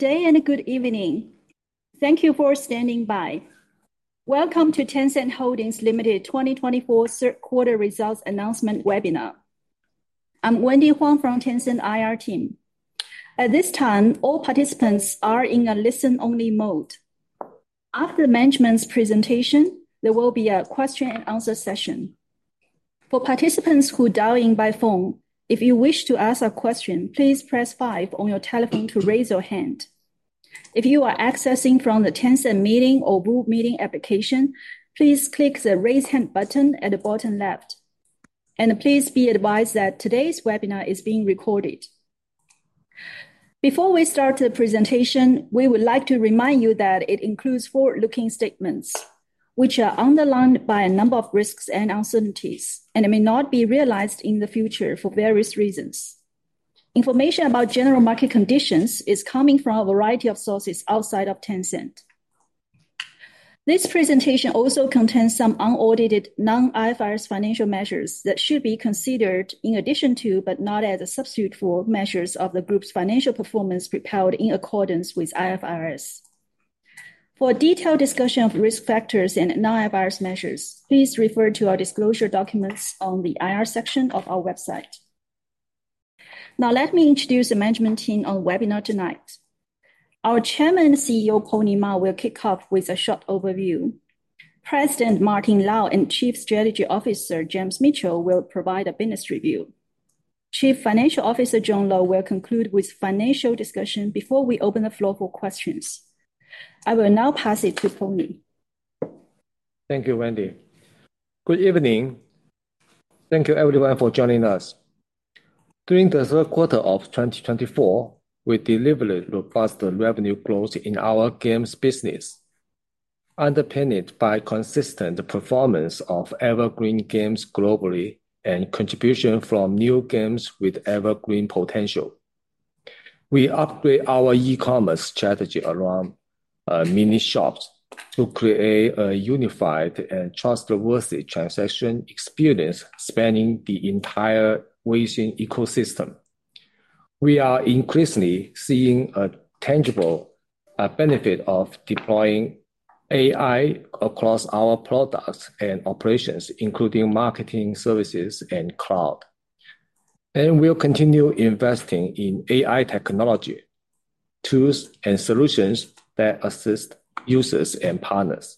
Good day and a good evening. Thank you for standing by. Welcome to Tencent Holdings Limited 2024 Quarter Results Announcement Webinar. I'm Wendy Huang from Tencent IR team. At this time, all participants are in a listen-only mode. After the management's presentation, there will be a question-and-answer session. For participants who dial in by phone, if you wish to ask a question, please press 5 on your telephone to raise your hand. If you are accessing from the Tencent Meeting or Zoom Meeting application, please click the Raise Hand button at the bottom left, and please be advised that today's webinar is being recorded. Before we start the presentation, we would like to remind you that it includes forward-looking statements, which are subject to a number of risks and uncertainties, and may not be realized in the future for various reasons. Information about general market conditions is coming from a variety of sources outside of Tencent. This presentation also contains some unaudited non-IFRS financial measures that should be considered in addition to, but not as a substitute for, measures of the group's financial performance proposed in accordance with IFRS. For a detailed discussion of risk factors and non-IFRS measures, please refer to our disclosure documents on the IR section of our website. Now, let me introduce the management team on the webinar tonight. Our Chairman and CEO, Pony Ma, will kick off with a short overview. President Martin Lau and Chief Strategy Officer, James Mitchell, will provide a business review. Chief Financial Officer, John Lo, will conclude with financial discussion before we open the floor for questions. I will now pass it to Pony. Thank you, Wendy. Good evening. Thank you, everyone, for joining us. During the Q3 of 2024, we delivered robust revenue growth in our games business, underpinned by consistent performance of evergreen games globally and contribution from new games with evergreen potential. We upgraded our e-commerce strategy around Mini Shops to create a unified and trustworthy transaction experience spanning the entire Weixin ecosystem. We are increasingly seeing a tangible benefit of deploying AI across our products and operations, including marketing services and cloud. And we'll continue investing in AI technology tools and solutions that assist users and partners.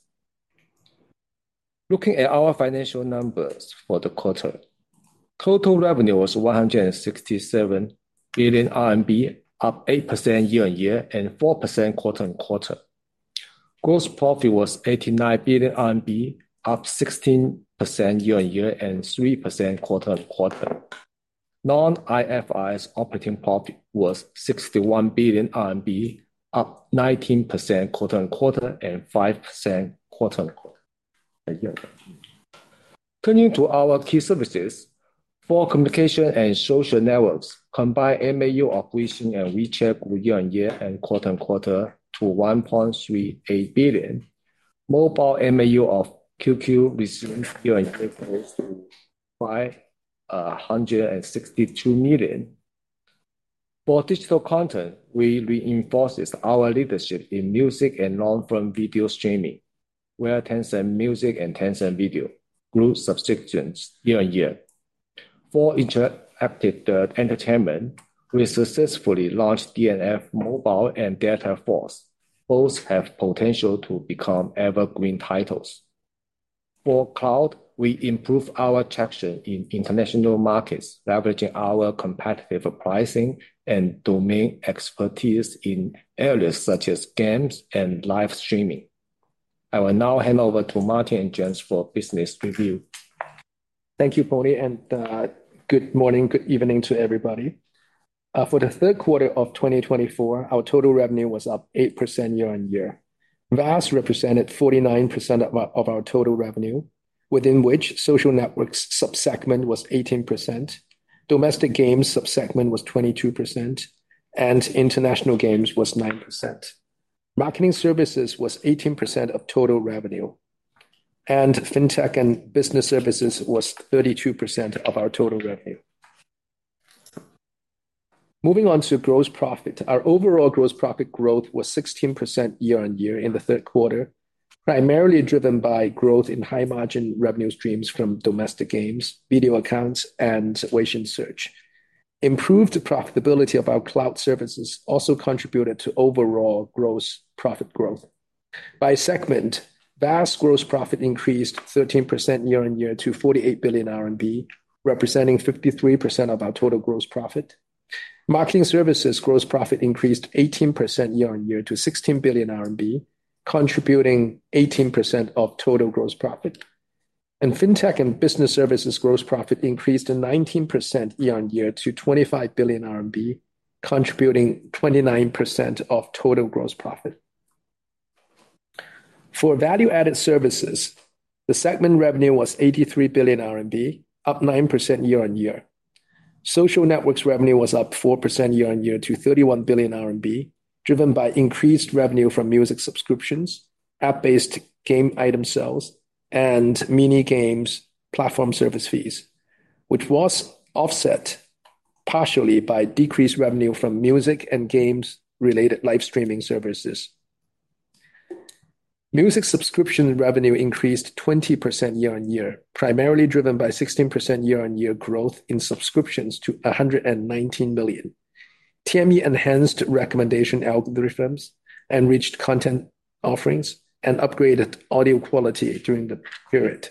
Looking at our financial numbers for the quarter, total revenue was 167 billion RMB, up 8% year-on-year and 4% quarter-on-quarter. Gross profit was 89 billion RMB, up 16% year-on-year and 3% quarter-on-quarter. Non-IFRS operating profit was 61 billion RMB, up 19% quarter-on-quarter and 5% quarter-on-quarter. Turning to our key services, for communication and social networks, combined MAU of Weixin and WeChat grew year-on-year and quarter-on-quarter to 1.38 billion. Mobile MAU of QQ resumed year-on-year growth to 562 million. For digital content, we reinforced our leadership in music and long-form video streaming, where Tencent Music and Tencent Video grew subscriptions year-on-year. For interactive entertainment, we successfully launched DNF Mobile and Delta Force. Both have potential to become evergreen titles. For cloud, we improved our traction in international markets, leveraging our competitive pricing and domain expertise in areas such as games and live streaming. I will now hand over to Martin and James for business review. Thank you, Pony. Good morning, good evening to everybody. For the Q3 of 2024, our total revenue was up 8% year-on-year. VAS represented 49% of our total revenue, within which social networks subsegment was 18%, domestic games subsegment was 22%, and international games was 9%. Marketing services was 18% of total revenue, and fintech and business services was 32% of our total revenue. Moving on to gross profit, our overall gross profit growth was 16% year-on-year in the Q3, primarily driven by growth in high-margin revenue streams from domestic games, Video Accounts, and Weixin Search. Improved profitability of our cloud services also contributed to overall gross profit growth. By segment, VAS gross profit increased 13% year-on-year to 48 billion RMB, representing 53% of our total gross profit. Marketing services gross profit increased 18% year-on-year to 16 billion RMB, contributing 18% of total gross profit. Fintech and business services gross profit increased 19% year-on-year to 25 billion RMB, contributing 29% of total gross profit. For value-added services, the segment revenue was 83 billion RMB, up 9% year-on-year. Social networks revenue was up 4% year-on-year to 31 billion RMB, driven by increased revenue from music subscriptions, app-based game item sales, and Mini Games platform service fees, which was offset partially by decreased revenue from music and games-related live streaming services. Music subscription revenue increased 20% year-on-year, primarily driven by 16% year-on-year growth in subscriptions to 119 million. TME enhanced recommendation algorithms and reached content offerings and upgraded audio quality during the period.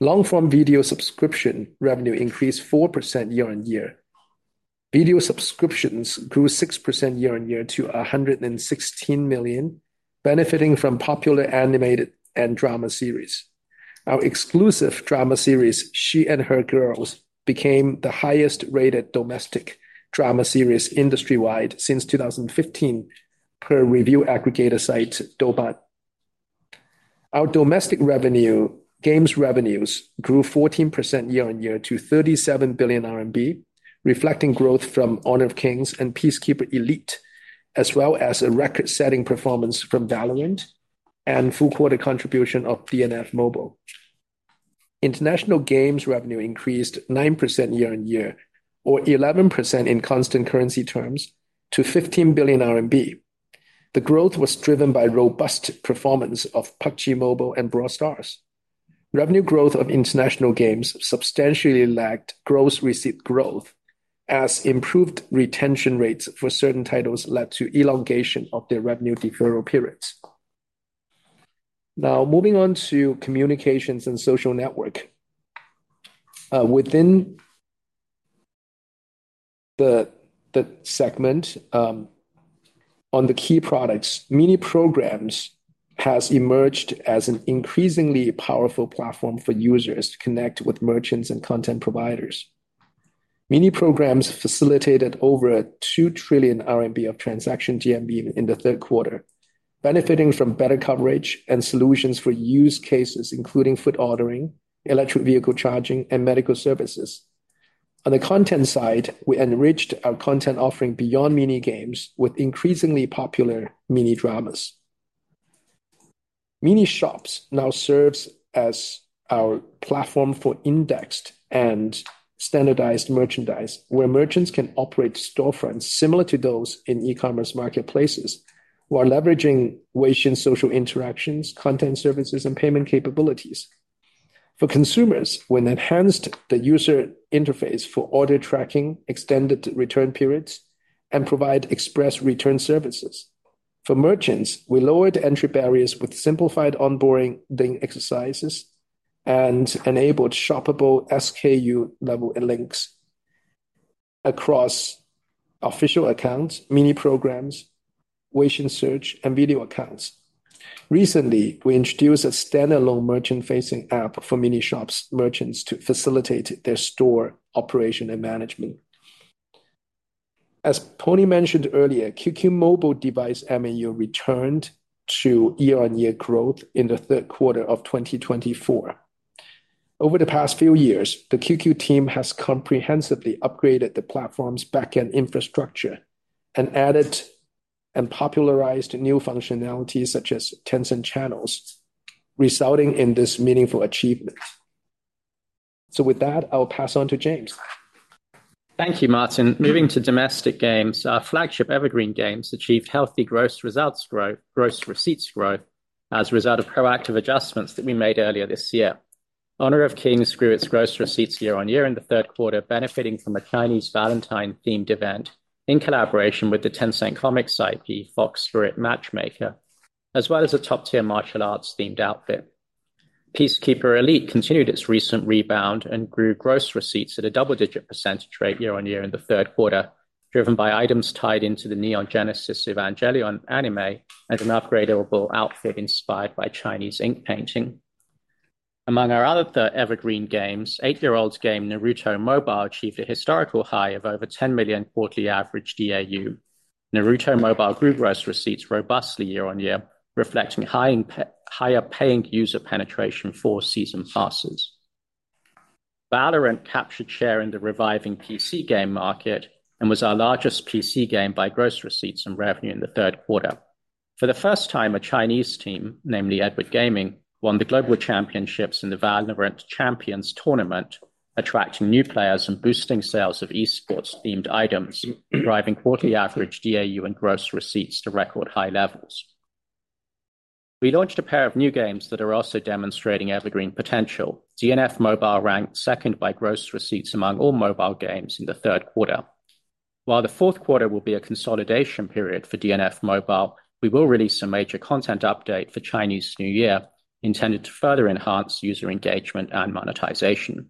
Long-form video subscription revenue increased 4% year-on-year. Video subscriptions grew 6% year-on-year to 116 million, benefiting from popular animated and drama series. Our exclusive drama series, She and Her Girls, became the highest-rated domestic drama series industry-wide since 2015, per review aggregator site Douban. Our domestic revenue, games revenues, grew 14% year-on-year to 37 billion RMB, reflecting growth from Honor of Kings and Peacekeeper Elite, as well as a record-setting performance from Valorant and full-quarter contribution of DNF Mobile. International games revenue increased 9% year-on-year, or 11% in constant currency terms, to 15 billion RMB. The growth was driven by robust performance of PUBG Mobile and Brawl Stars. Revenue growth of international games substantially lagged gross receipt growth, as improved retention rates for certain titles led to elongation of their revenue deferral periods. Now, moving on to communications and social network. Within the segment on the key products, Mini Programs have emerged as an increasingly powerful platform for users to connect with merchants and content providers. Mini Programs facilitated over 2 trillion RMB of transaction GMV in the Q3, benefiting from better coverage and solutions for use cases, including food ordering, electric vehicle charging, and medical services. On the content side, we enriched our content offering beyond Mini Games with increasingly popular Mini Dramas. Mini Shops now serve as our platform for indexed and standardized merchandise, where merchants can operate storefronts similar to those in e-commerce marketplaces, while leveraging Weixin's social interactions, content services, and payment capabilities. For consumers, we enhanced the user interface for order tracking, extended return periods, and provide express return services. For merchants, we lowered entry barriers with simplified onboarding exercises and enabled shoppable SKU-level links across official accounts, Mini Programs, Weixin search, and video accounts. Recently, we introduced a standalone merchant-facing app for Mini Shops merchants to facilitate their store operation and management. As Pony mentioned earlier, QQ mobile device MAU returned to year-on-year growth in the Q3 of 2024. Over the past few years, the QQ team has comprehensively upgraded the platform's backend infrastructure and added and popularized new functionalities such as Tencent Channels, resulting in this meaningful achievement. With that, I'll pass on to James. Thank you, Martin. Moving to domestic games, our flagship evergreen games achieved healthy gross results growth, gross receipts growth, as a result of proactive adjustments that we made earlier this year. Honor of Kings grew its gross receipts year-on-year in the Q3, benefiting from a Chinese Valentine-themed event in collaboration with the Tencent Comics IP, Fox Spirit Matchmaker, as well as a top-tier martial arts-themed outfit. Peacekeeper Elite continued its recent rebound and grew gross receipts at a double-digit percentage rate year-on-year in the Q3, driven by items tied into the Neon Genesis Evangelion anime and an upgradable outfit inspired by Chinese ink painting. Among our other evergreen games, eight-year-old game Naruto Mobile achieved a historical high of over 10 million quarterly average DAU. Naruto Mobile grew gross receipts robustly year-on-year, reflecting higher paying user penetration for season passes. Valorant captured share in the reviving PC game market and was our largest PC game by gross receipts and revenue in the Q3. For the first time, a Chinese team, namely Edward Gaming, won the global championships in the Valorant Champions tournament, attracting new players and boosting sales of esports-themed items, driving quarterly average DAU and gross receipts to record high levels. We launched a pair of new games that are also demonstrating evergreen potential. DNF Mobile ranked second by gross receipts among all mobile games in the Q3. While the Q4 will be a consolidation period for DNF Mobile, we will release a major content update for Chinese New Year, intended to further enhance user engagement and monetization.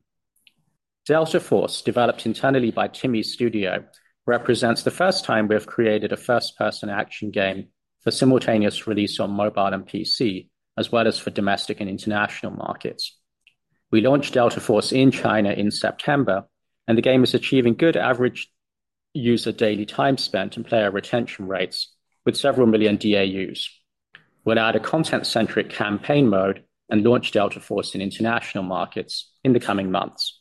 Delta Force, developed internally by TiMi Studios, represents the first time we have created a first-person action game for simultaneous release on mobile and PC, as well as for domestic and international markets. We launched Delta Force in China in September, and the game is achieving good average user daily time spent and player retention rates, with several million DAUs. We'll add a content-centric campaign mode and launch Delta Force in international markets in the coming months.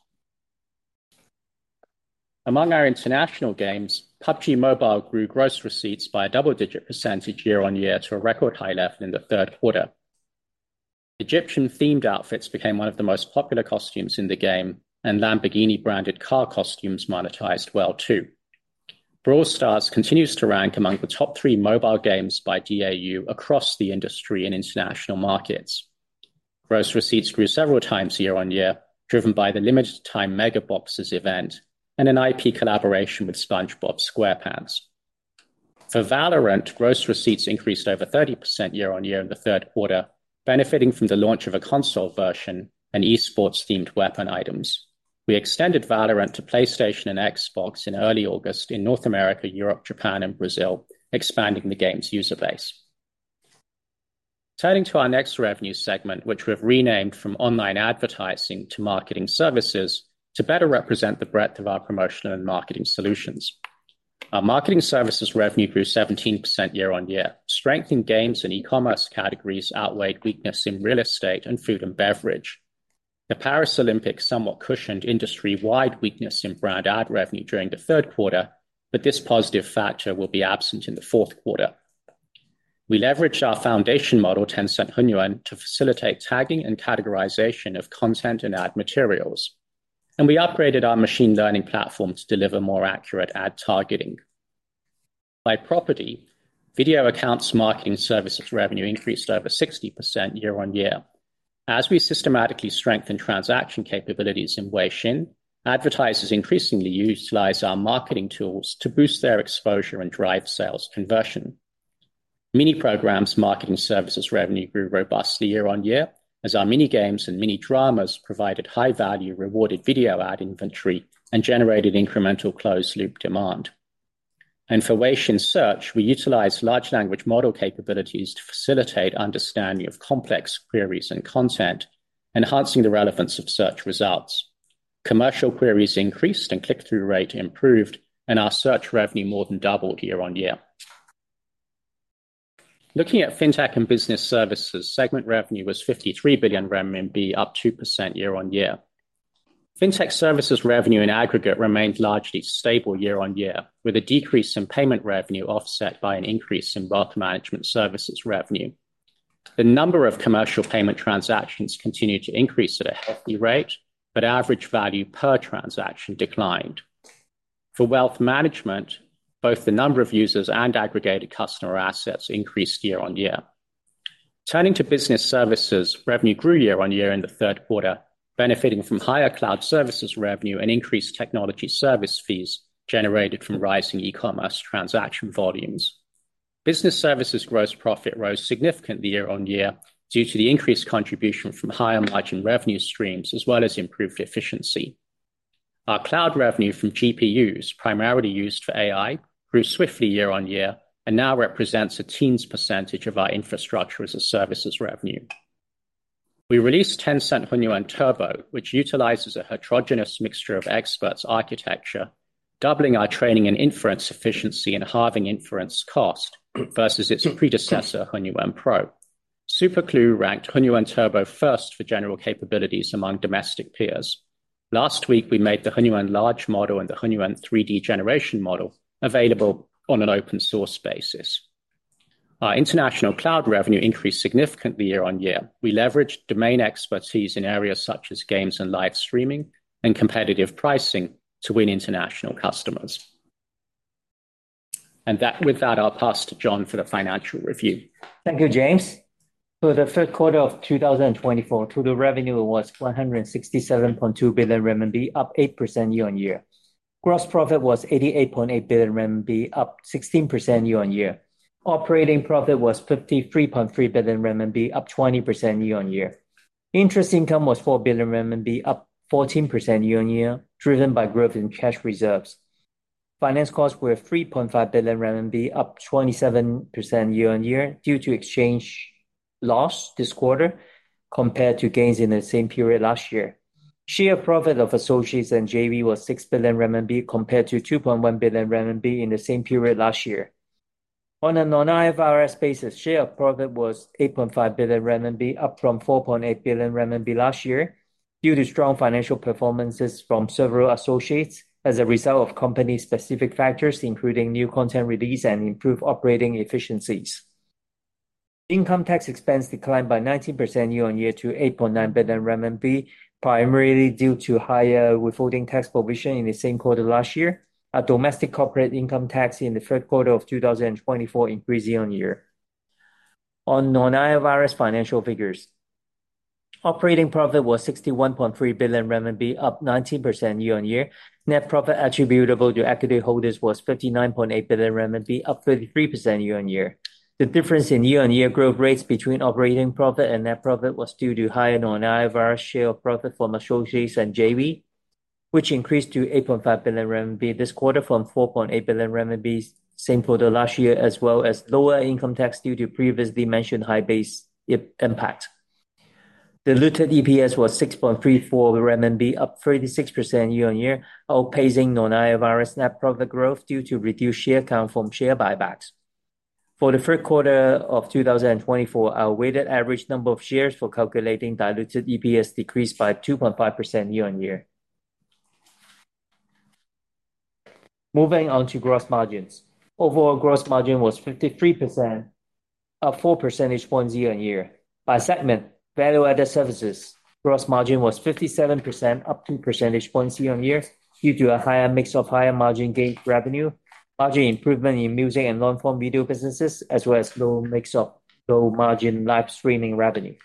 Among our international games, PUBG Mobile grew gross receipts by a double-digit % year-on-year to a record high level in the Q3. Egyptian-themed outfits became one of the most popular costumes in the game, and Lamborghini-branded car costumes monetized well too. Brawl Stars continues to rank among the top three mobile games by DAU across the industry and international markets. Gross receipts grew several times year-on-year, driven by the limited-time Mega Boxes event and an IP collaboration with SpongeBob SquarePants. For Valorant, gross receipts increased over 30% year-on-year in the Q3, benefiting from the launch of a console version and esports-themed weapon items. We extended Valorant to PlayStation and Xbox in early August in North America, Europe, Japan, and Brazil, expanding the game's user base. Turning to our next revenue segment, which we have renamed from online advertising to marketing services to better represent the breadth of our promotional and marketing solutions. Our marketing services revenue grew 17% year-on-year. Strength in games and e-commerce categories outweighed weakness in real estate and food and beverage. The Paris Olympics somewhat cushioned industry-wide weakness in brand ad revenue during the Q3, but this positive factor will be absent in the Q4. We leveraged our foundation model, Tencent Hunyuan, to facilitate tagging and categorization of content and ad materials, and we upgraded our machine learning platform to deliver more accurate ad targeting. By property, Video Accounts marketing services revenue increased over 60% year-on-year. As we systematically strengthen transaction capabilities in Weixin, advertisers increasingly utilize our marketing tools to boost their exposure and drive sales conversion. Mini Programs marketing services revenue grew robustly year-on-year, as our Mini Games and Mini Dramas provided high-value rewarded video ad inventory and generated incremental closed-loop demand, and for Weixin Search, we utilized large language model capabilities to facilitate understanding of complex queries and content, enhancing the relevance of search results. Commercial queries increased and click-through rate improved, and our search revenue more than doubled year-on-year. Looking at fintech and business services, segment revenue was 53 billion RMB, up 2% year-on-year. Fintech services revenue in aggregate remained largely stable year-on-year, with a decrease in payment revenue offset by an increase in wealth management services revenue. The number of commercial payment transactions continued to increase at a healthy rate, but average value per transaction declined. For wealth management, both the number of users and aggregated customer assets increased year-on-year. Turning to business services, revenue grew year-on-year in the Q3, benefiting from higher cloud services revenue and increased technology service fees generated from rising e-commerce transaction volumes. Business services gross profit rose significantly year-on-year due to the increased contribution from higher margin revenue streams, as well as improved efficiency. Our cloud revenue from GPUs, primarily used for AI, grew swiftly year-on-year and now represents a teens percentage of our Infrastructure as a Service revenue. We released Tencent Hunyuan Turbo, which utilizes a heterogeneous mixture of experts architecture, doubling our training and inference efficiency and halving inference cost versus its predecessor, Hunyuan Pro. SuperCLUE ranked Hunyuan Turbo first for general capabilities among domestic peers. Last week, we made the Hunyuan large model and the Hunyuan 3D generation model available on an open-source basis. Our international cloud revenue increased significantly year-on-year. We leveraged domain expertise in areas such as games and live streaming and competitive pricing to win international customers. And with that, I'll pass to John for the financial review. Thank you, James. For the Q3 of 2024, total revenue was 167.2 billion RMB, up 8% year-on-year. Gross profit was 88.8 billion RMB, up 16% year-on-year. Operating profit was 53.3 billion RMB, up 20% year-on-year. Interest income was 4 billion RMB, up 14% year-on-year, driven by growth in cash reserves. Finance costs were 3.5 billion RMB, up 27% year-on-year due to exchange loss this quarter compared to gains in the same period last year. Share of profit of associates and JV was 6 billion RMB, compared to 2.1 billion RMB in the same period last year. On a non-IFRS basis, share of profit was 8.5 billion RMB, up from 4.8 billion RMB last year due to strong financial performances from several associates as a result of company-specific factors, including new content release and improved operating efficiencies. Income tax expense declined by 19% year-on-year to 8.9 billion RMB, primarily due to higher withholding tax provision in the same quarter last year. Our domestic corporate income tax in the Q3 of 2024 increased year-on-year. On non-IFRS financial figures, operating profit was 61.3 billion RMB, up 19% year-on-year. Net profit attributable to equity holders was 59.8 billion RMB, up 33% year-on-year. The difference in year-on-year growth rates between operating profit and net profit was due to higher non-IFRS share of profit from associates and JV, which increased to 8.5 billion RMB this quarter from 4.8 billion RMB same quarter last year, as well as lower income tax due to previously mentioned high base impact. Diluted EPS was 6.34 RMB, up 36% year-on-year, outpacing non-IFRS net profit growth due to reduced share count from share buybacks. For the Q3 of 2024, our weighted average number of shares for calculating diluted EPS decreased by 2.5% year-on-year. Moving on to gross margins. Overall gross margin was 53%, up four percentage points year-on-year. By segment, value-added services gross margin was 57%, up two percentage points year-on-year due to a higher mix of higher margin game revenue, margin improvement in music and long-form video businesses, as well as lower mix of low margin live streaming revenue.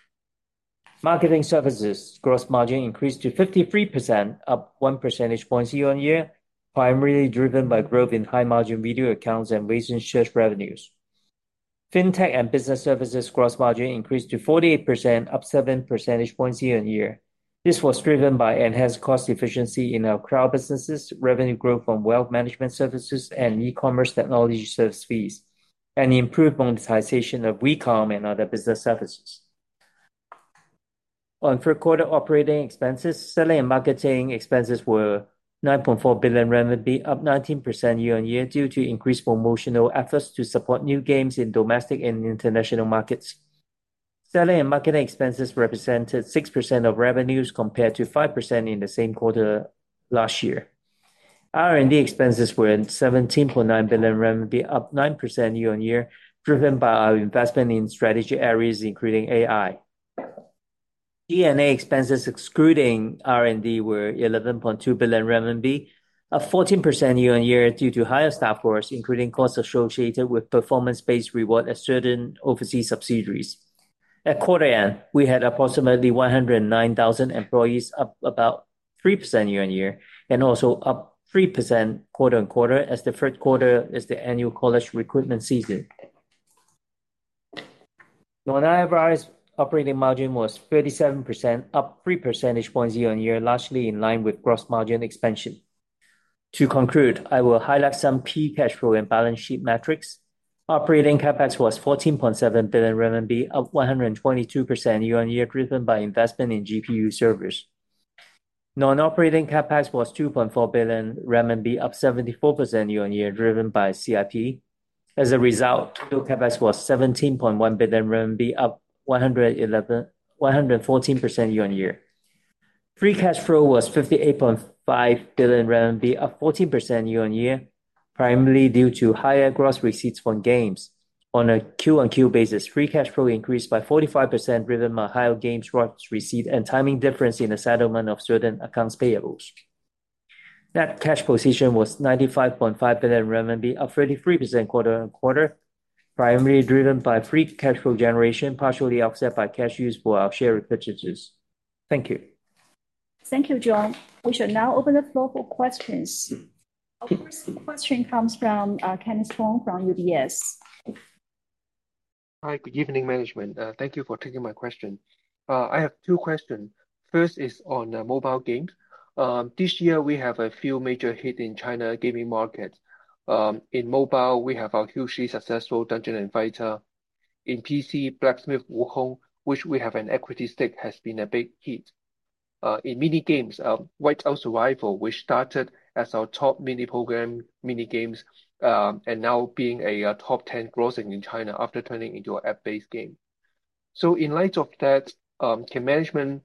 Marketing services gross margin increased to 53%, up one percentage point year-on-year, primarily driven by growth in high-margin Video Accounts and Weixin Search revenues. Fintech and business services gross margin increased to 48%, up seven percentage points year-on-year. This was driven by enhanced cost efficiency in our cloud businesses, revenue growth from wealth management services and e-commerce technology service fees, and the improved monetization of WeCom and other business services. On Q3 operating expenses, selling and marketing expenses were 9.4 billion renminbi, up 19% year-on-year due to increased promotional efforts to support new games in domestic and international markets. Selling and marketing expenses represented 6% of revenues compared to 5% in the same quarter last year. R&D expenses were 17.9 billion RMB, up 9% year-on-year, driven by our investment in strategic areas including AI. G&A expenses excluding R&D were 11.2 billion RMB, up 14% year-on-year due to higher staff costs, including costs associated with performance-based reward at certain overseas subsidiaries. At quarter end, we had approximately 109,000 employees, up about 3% year-on-year and also up 3% quarter on quarter as the Q3 is the annual college recruitment season. Non-IFRS operating margin was 37%, up 3 percentage points year-on-year, largely in line with gross margin expansion. To conclude, I will highlight some key cash flow and balance sheet metrics. Operating CapEx was 14.7 billion RMB, up 122% year-on-year, driven by investment in GPU servers. Non-operating CapEx was 2.4 billion renminbi, up 74% year-on-year, driven by CIP. As a result, total CapEx was 17.1 billion RMB, up 114% year-on-year. Free cash flow was 58.5 billion RMB, up 14% year-on-year, primarily due to higher gross receipts from games. On a quarter-on-quarter basis, free cash flow increased by 45%, driven by higher games receipts and timing difference in the settlement of certain accounts payables. Net cash position was 95.5 billion RMB, up 33% quarter-on-quarter, primarily driven by free cash flow generation, partially offset by cash used for our share repurchases. Thank you. Thank you, John. We should now open the floor for questions. Our first question comes from Kenneth Fong from UBS. Hi, good evening, management. Thank you for taking my question. I have two questions. First is on mobile games. This year, we have a few major hits in China gaming markets. In mobile, we have our hugely successful Dungeon & Fighter. In PC, Black Myth: Wukong, which we have an equity stake, has been a big hit. In Mini Games, Whiteout Survival, which started as our top mini program, Mini Games, and now being a top 10 grossing in China after turning into an app-based game. So in light of that, can management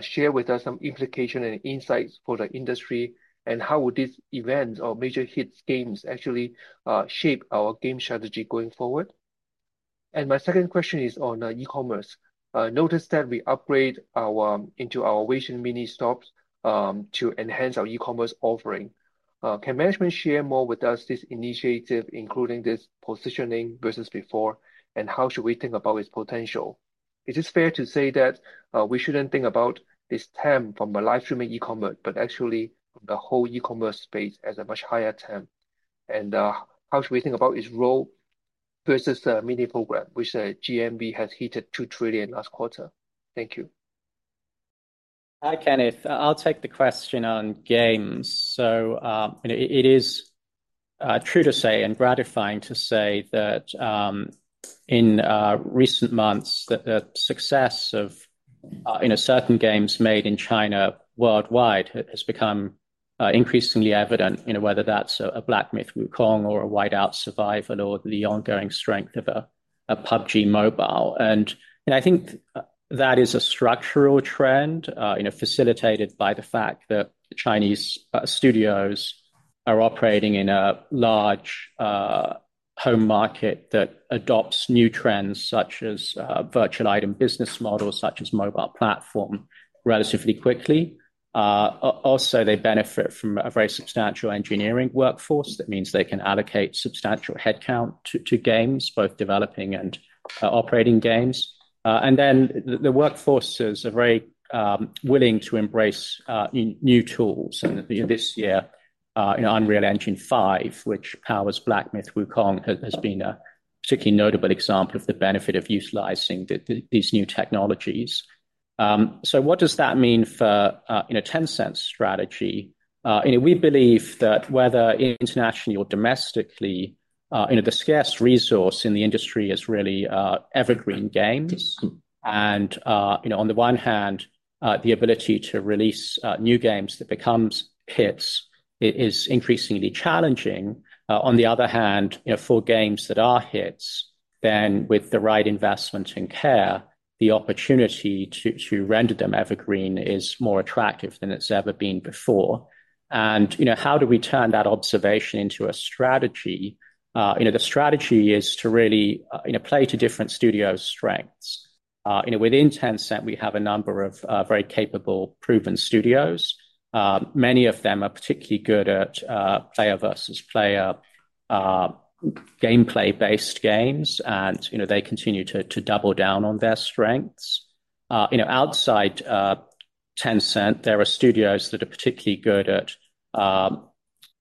share with us some implications and insights for the industry, and how would these events or major hit games actually shape our game strategy going forward? And my second question is on e-commerce. Notice that we upgrade our into our Weixin Mini Shops to enhance our e-commerce offering. Can management share more with us this initiative, including this positioning versus before, and how should we think about its potential? Is it fair to say that we shouldn't think about this term from a live streaming e-commerce, but actually the whole e-commerce space as a much higher term? And how should we think about its role versus the mini program, which GMV has hit 2 trillion last quarter? Thank you. Hi, Kenneth. I'll take the question on games. So it is true to say and gratifying to say that in recent months, the success of certain games made in China worldwide has become increasingly evident, whether that's a Black Myth: Wukong or a Whiteout Survival or the ongoing strength of a PUBG Mobile. And I think that is a structural trend facilitated by the fact that Chinese studios are operating in a large home market that adopts new trends such as virtual item business models such as mobile platform relatively quickly. Also, they benefit from a very substantial engineering workforce. That means they can allocate substantial headcount to games, both developing and operating games. And then the workforce is very willing to embrace new tools. And this year, Unreal Engine 5, which powers Black Myth: Wukong, has been a particularly notable example of the benefit of utilizing these new technologies. What does that mean for Tencent's strategy? We believe that whether internationally or domestically, the scarce resource in the industry is really evergreen games. On the one hand, the ability to release new games that becomes hits is increasingly challenging. On the other hand, for games that are hits, then with the right investment and care, the opportunity to render them evergreen is more attractive than it's ever been before. How do we turn that observation into a strategy? The strategy is to really play to different studio strengths. Within Tencent, we have a number of very capable, proven studios. Many of them are particularly good at player versus player gameplay-based games, and they continue to double down on their strengths. Outside Tencent, there are studios that are particularly good at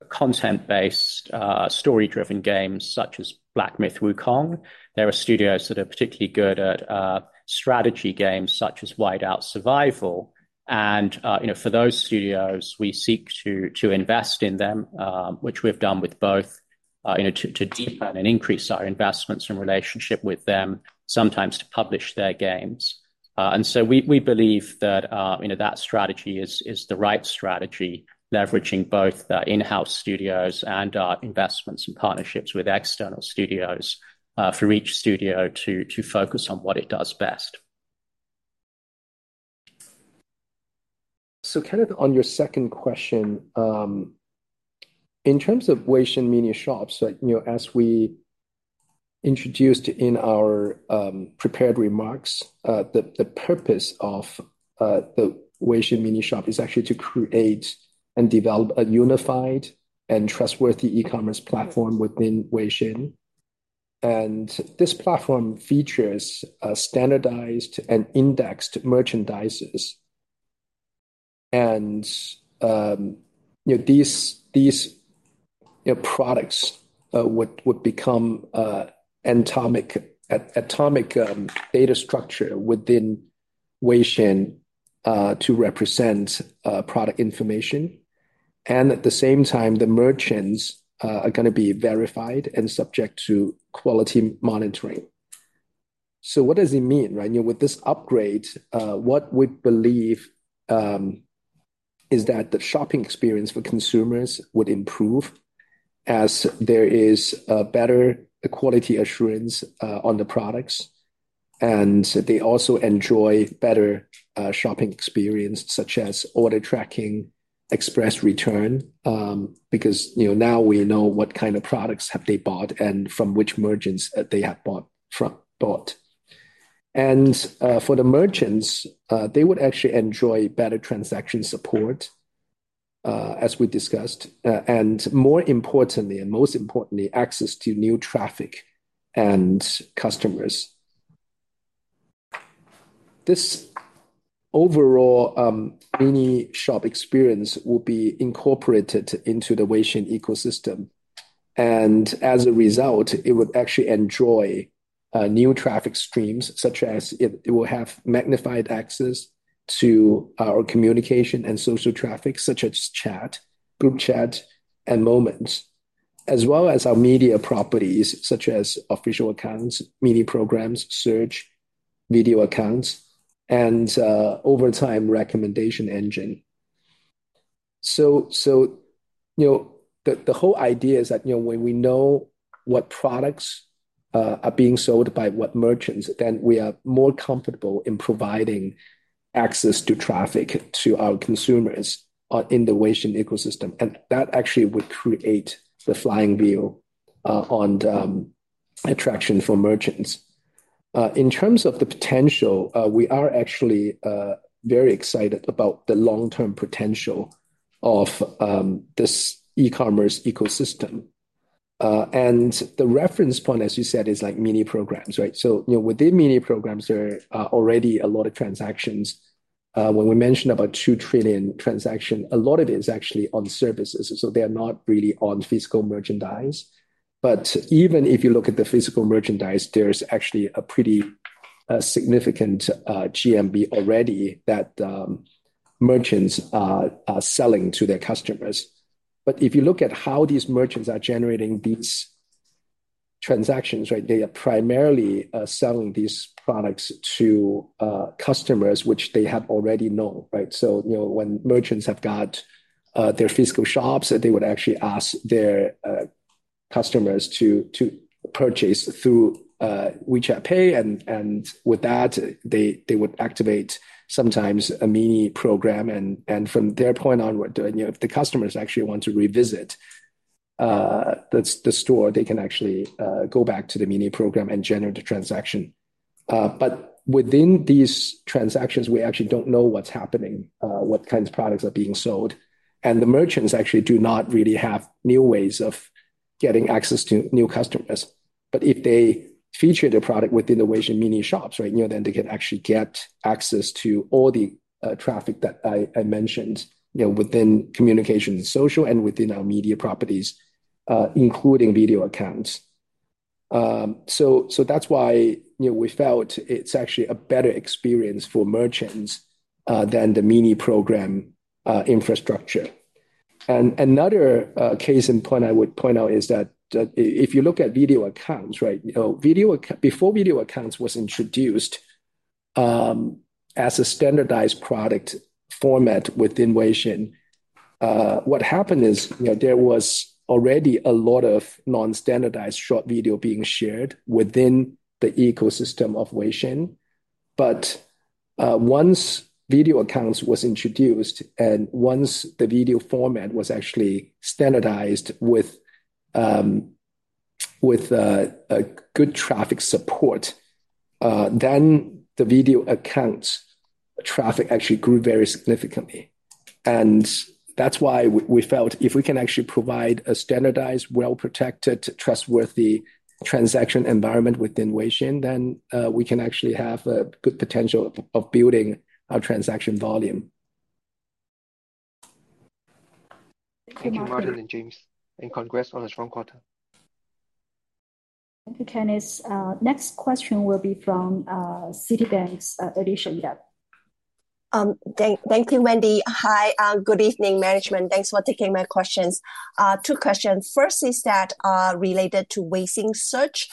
content-based story-driven games such as Black Myth: Wukong. There are studios that are particularly good at strategy games such as Whiteout Survival. And for those studios, we seek to invest in them, which we've done with both, to deepen and increase our investments and relationship with them, sometimes to publish their games. And so we believe that that strategy is the right strategy, leveraging both in-house studios and our investments and partnerships with external studios for each studio to focus on what it does best. Kenneth, on your second question, in terms of Weixin Mini Shops, as we introduced in our prepared remarks, the purpose of the Weixin Mini Shop is actually to create and develop a unified and trustworthy e-commerce platform within Weixin. This platform features standardized and indexed merchandise. These products would become an atomic data structure within Weixin to represent product information. At the same time, the merchants are going to be verified and subject to quality monitoring. What does it mean? With this upgrade, what we believe is that the shopping experience for consumers would improve as there is better quality assurance on the products. They also enjoy better shopping experience, such as order tracking, express return, because now we know what kind of products have they bought and from which merchants they have bought. And for the merchants, they would actually enjoy better transaction support, as we discussed, and more importantly, and most importantly, access to new traffic and customers. This overall mini shop experience will be incorporated into the Weixin ecosystem. And as a result, it would actually enjoy new traffic streams, such as it will have magnified access to our communication and social traffic, such as chat, group chat, and moments, as well as our media properties, such as official accounts, Mini Programs, search, video accounts, and over time recommendation engine. So the whole idea is that when we know what products are being sold by what merchants, then we are more comfortable in providing access to traffic to our consumers in the Weixin ecosystem. And that actually would create the flying wheel on attraction for merchants. In terms of the potential, we are actually very excited about the long-term potential of this e-commerce ecosystem. And the reference point, as you said, is like Mini Programs. So within Mini Programs, there are already a lot of transactions. When we mentioned about 2 trillion transactions, a lot of it is actually on services. So they are not really on physical merchandise. But even if you look at the physical merchandise, there's actually a pretty significant GMV already that merchants are selling to their customers. But if you look at how these merchants are generating these transactions, they are primarily selling these products to customers which they have already known. So when merchants have got their physical shops, they would actually ask their customers to purchase through WeChat Pay. And with that, they would activate sometimes a mini program. From that point onward, if the customers actually want to revisit the store, they can actually go back to the mini program and generate a transaction. But within these transactions, we actually don't know what's happening, what kinds of products are being sold. The merchants actually do not really have new ways of getting access to new customers. But if they feature their product within the Weixin Mini Shops, then they can actually get access to all the traffic that I mentioned within communication and social and within our media properties, including Video Accounts. That's why we felt it's actually a better experience for merchants than the mini program infrastructure. Another case in point I would point out is that if you look at Video Accounts, before Video Accounts was introduced as a standardized product format within Weixin, what happened is there was already a lot of non-standardized short video being shared within the ecosystem of Weixin. But once Video Accounts was introduced and once the video format was actually standardized with good traffic support, then the Video Accounts traffic actually grew very significantly. And that's why we felt if we can actually provide a standardized, well-protected, trustworthy transaction environment within Weixin, then we can actually have a good potential of building our transaction volume. Thank you, Martin. Thank you, Martin and James, and congrats on a strong quarter. Thank you, Kenneth. Next question will be from Citibank's Alicia Yap. Thank you, Wendy. Hi, good evening, management. Thanks for taking my questions. Two questions. First is that related to Weixin search.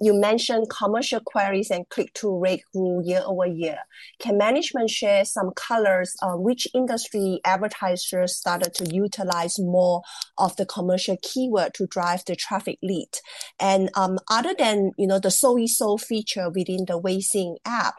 You mentioned commercial queries and click-through rate grew year over year. Can management share some colors on which industry advertisers started to utilize more of the commercial keyword to drive the traffic lead? And other than the Souyisou feature within the Weixin app,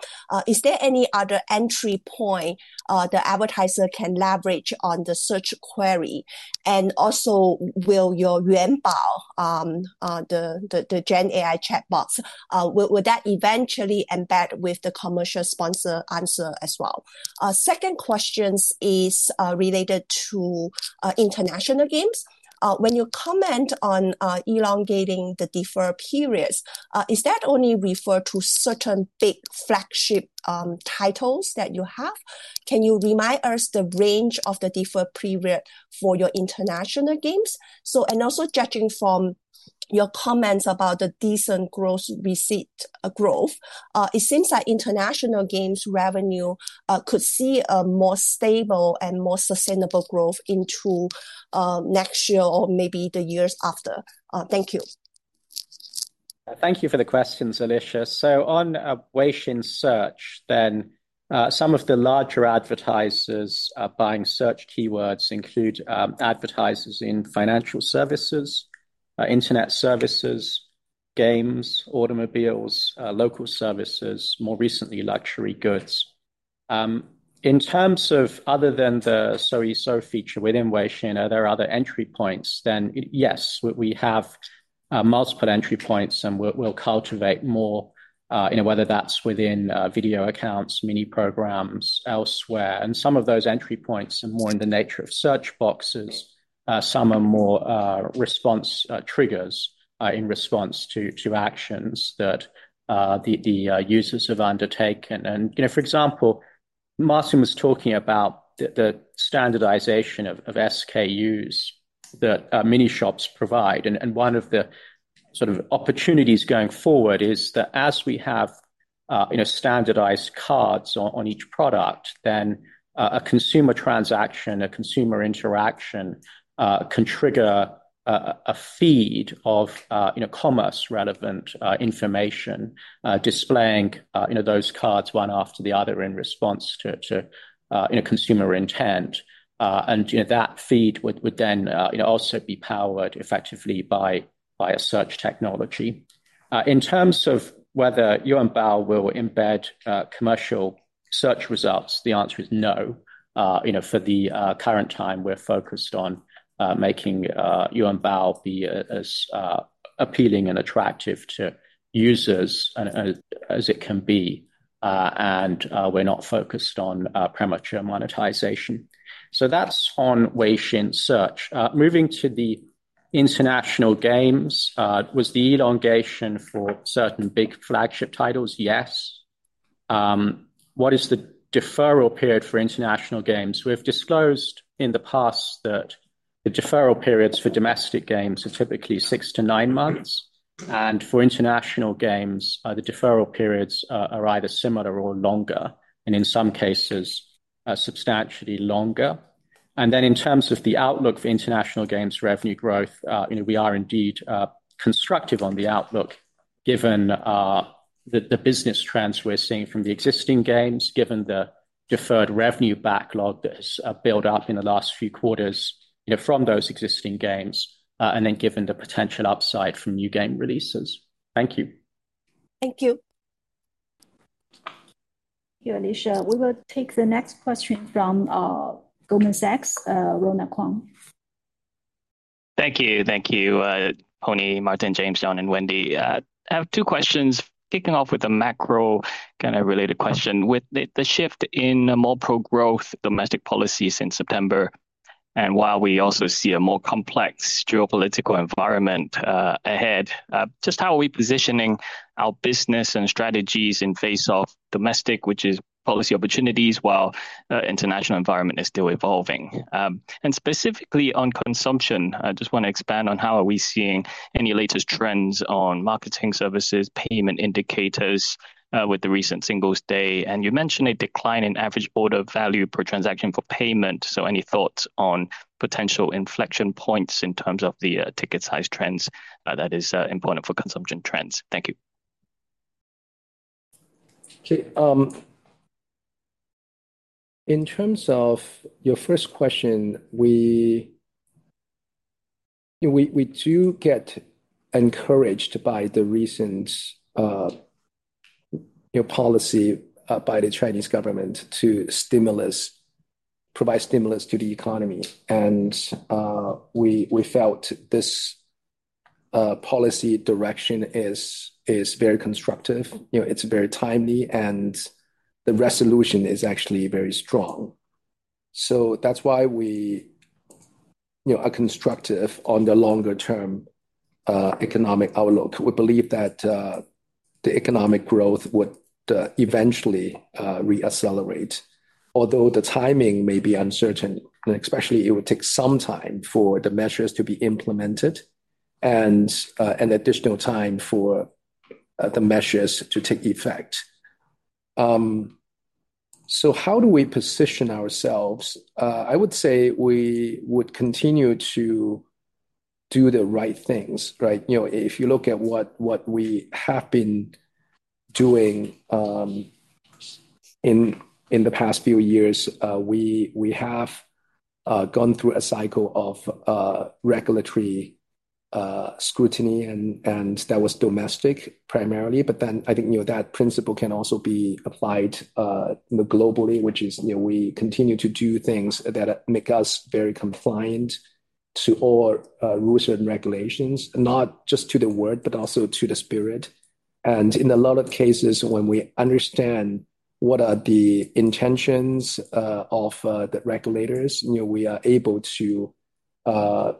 is there any other entry point the advertiser can leverage on the search query? And also, will your Yuanbao, the Gen AI chat box, would that eventually embed with the commercial sponsor answer as well? Second question is related to international games. When you comment on elongating the defer periods, is that only referred to certain big flagship titles that you have? Can you remind us the range of the defer period for your international games? Also judging from your comments about the decent gross receipts growth, it seems like international games revenue could see a more stable and more sustainable growth into next year or maybe the years after. Thank you. Thank you for the question, Alicia. So on Weixin Search, then some of the larger advertisers buying search keywords include advertisers in financial services, internet services, games, automobiles, local services, more recently luxury goods. In terms of other than the search feature within Weixin, are there other entry points? Then yes, we have multiple entry points and we'll cultivate more, whether that's within Video Accounts, Mini Programs, elsewhere. And some of those entry points are more in the nature of search boxes. Some are more response triggers in response to actions that the users have undertaken. And for example, Martin was talking about the standardization of SKUs that Mini Shops provide. One of the sort of opportunities going forward is that as we have standardized cards on each product, then a consumer transaction, a consumer interaction can trigger a feed of commerce-relevant information displaying those cards one after the other in response to consumer intent. That feed would then also be powered effectively by a search technology. In terms of whether Yuanbao will embed commercial search results, the answer is no. For the current time, we're focused on making Yuanbao be as appealing and attractive to users as it can be. We're not focused on premature monetization. That's on Weixin Search. Moving to the international games, was the elongation for certain big flagship titles? Yes. What is the deferral period for international games? We've disclosed in the past that the deferral periods for domestic games are typically six to nine months. And for international games, the deferral periods are either similar or longer, and in some cases, substantially longer. And then in terms of the outlook for international games revenue growth, we are indeed constructive on the outlook given the business trends we're seeing from the existing games, given the deferred revenue backlog that has built up in the last few quarters from those existing games, and then given the potential upside from new game releases. Thank you. Thank you. Thank you, Alicia. We will take the next question from Goldman Sachs, Ronald Keung. Thank you. Thank you, Pony, Martin, James, John, and Wendy. I have two questions kicking off with a macro kind of related question. With the shift in more pro-growth domestic policy since September, and while we also see a more complex geopolitical environment ahead, just how are we positioning our business and strategies in face of domestic, which is policy opportunities, while the international environment is still evolving? And specifically on consumption, I just want to expand on how are we seeing any latest trends on marketing services, payment indicators with the recent Singles' Day? And you mentioned a decline in average order value per transaction for payment. So any thoughts on potential inflection points in terms of the ticket size trends that is important for consumption trends? Thank you. Okay. In terms of your first question, we do get encouraged by the recent policy by the Chinese government to provide stimulus to the economy, and we felt this policy direction is very constructive. It's very timely, and the resolution is actually very strong, so that's why we are constructive on the longer-term economic outlook. We believe that the economic growth would eventually reaccelerate, although the timing may be uncertain, and especially it would take some time for the measures to be implemented and additional time for the measures to take effect, so how do we position ourselves? I would say we would continue to do the right things. If you look at what we have been doing in the past few years, we have gone through a cycle of regulatory scrutiny, and that was domestic primarily. But then I think that principle can also be applied globally, which is we continue to do things that make us very compliant to all rules and regulations, not just to the word, but also to the spirit. And in a lot of cases, when we understand what are the intentions of the regulators, we are able to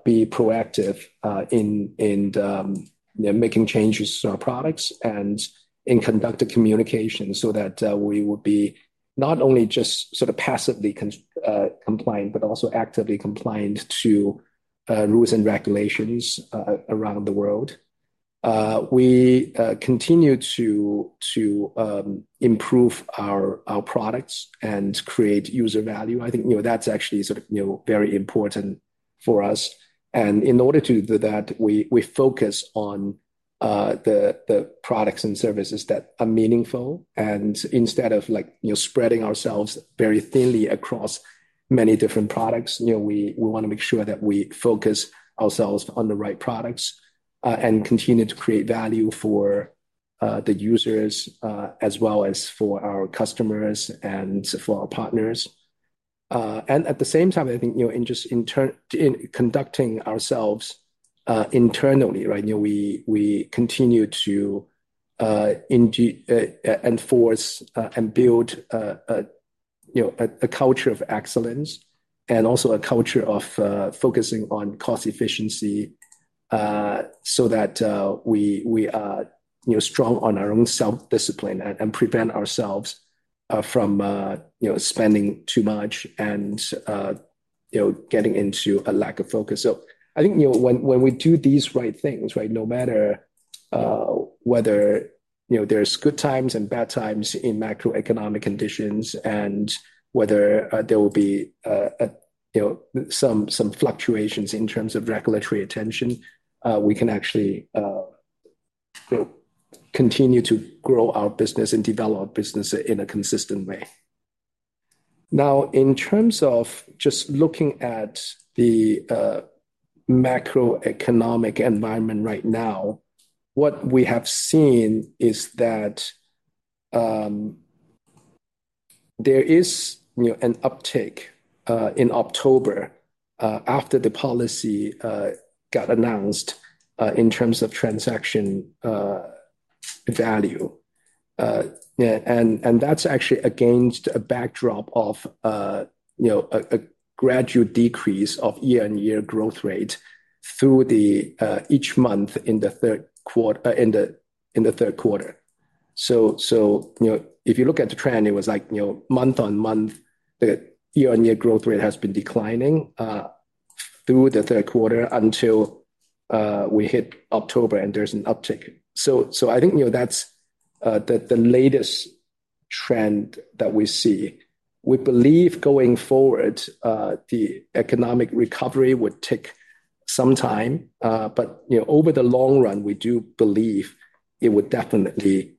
be proactive in making changes to our products and in conducting communications so that we would be not only just sort of passively compliant, but also actively compliant to rules and regulations around the world. We continue to improve our products and create user value. I think that's actually sort of very important for us. And in order to do that, we focus on the products and services that are meaningful. And instead of spreading ourselves very thinly across many different products, we want to make sure that we focus ourselves on the right products and continue to create value for the users as well as for our customers and for our partners. And at the same time, I think just in conducting ourselves internally, we continue to enforce and build a culture of excellence and also a culture of focusing on cost efficiency so that we are strong on our own self-discipline and prevent ourselves from spending too much and getting into a lack of focus. So I think when we do these right things, no matter whether there's good times and bad times in macroeconomic conditions and whether there will be some fluctuations in terms of regulatory attention, we can actually continue to grow our business and develop our business in a consistent way. Now, in terms of just looking at the macroeconomic environment right now, what we have seen is that there is an uptick in October after the policy got announced in terms of transaction value, and that's actually against a backdrop of a gradual decrease of year-on-year growth rate through each month in the Q3, so if you look at the trend, it was like month on month, the year-on-year growth rate has been declining through the Q3 until we hit October, and there's an uptick, so I think that's the latest trend that we see. We believe going forward, the economic recovery would take some time, but over the long run, we do believe it would definitely